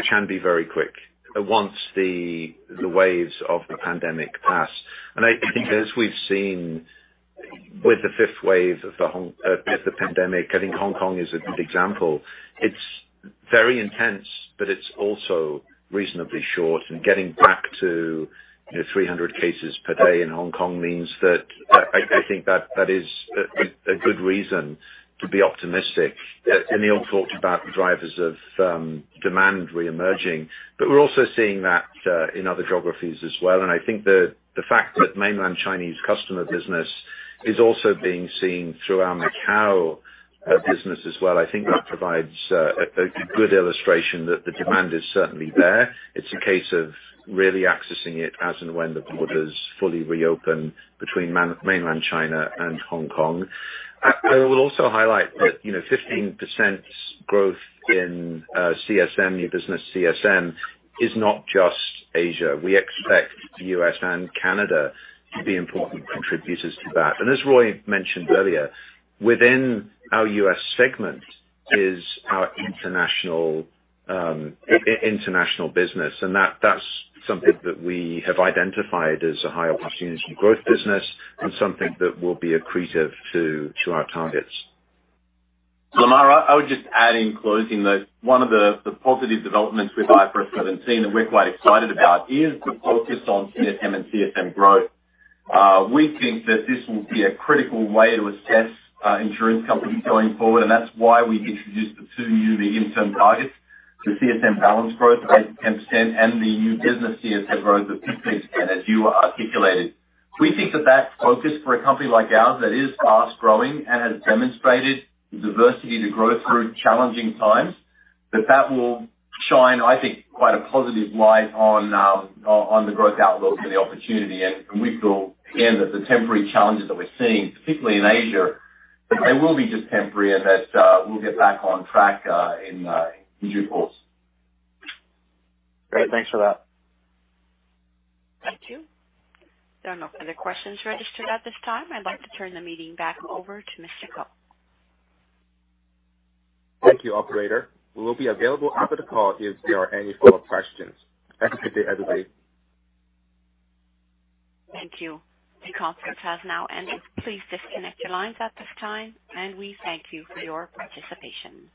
can be very quick once the waves of the pandemic pass. I think as we've seen with the fifth wave of the pandemic, I think Hong Kong is a good example. It's very intense, but it's also reasonably short and getting back to, you know, 300 cases per day in Hong Kong means that I think that is a good reason to be optimistic. Anil talked about drivers of demand reemerging, but we're also seeing that in other geographies as well. I think the fact that Mainland Chinese customer business is also being seen through our Macau business as well, I think that provides a good illustration that the demand is certainly there. It's a case of really accessing it as and when the borders fully reopen between Mainland China and Hong Kong. I will also highlight that, you know, 15% growth in CSM, new business CSM is not just Asia. We expect the US and Canada to be important contributors to that. As Roy mentioned earlier, within our US segment is our international business, and that's something that we have identified as a high opportunity growth business and something that will be accretive to our targets. Lemar, I would just add in closing that one of the positive developments with IFRS 17 that we're quite excited about is the focus on CSM and CSM growth. We think that this will be a critical way to assess insurance companies going forward, and that's why we introduced the two new medium-term targets, the CSM balance growth of 8% and the new business CSM growth of 15%, as you articulated. We think that that focus for a company like ours that is fast-growing and has demonstrated the diversity to grow through challenging times, that that will shine, I think, quite a positive light on the growth outlook for the opportunity. We feel again that the temporary challenges that we're seeing, particularly in Asia, they will be just temporary and that we'll get back on track in due course. Great. Thanks for that. Thank you. There are no further questions registered at this time. I'd like to turn the meeting back over to Mr. Ko. Thank you, operator. We will be available after the call if there are any follow-up questions. Thanks everybody. Thank you. The conference has now ended. Please disconnect your lines at this time, and we thank you for your participation.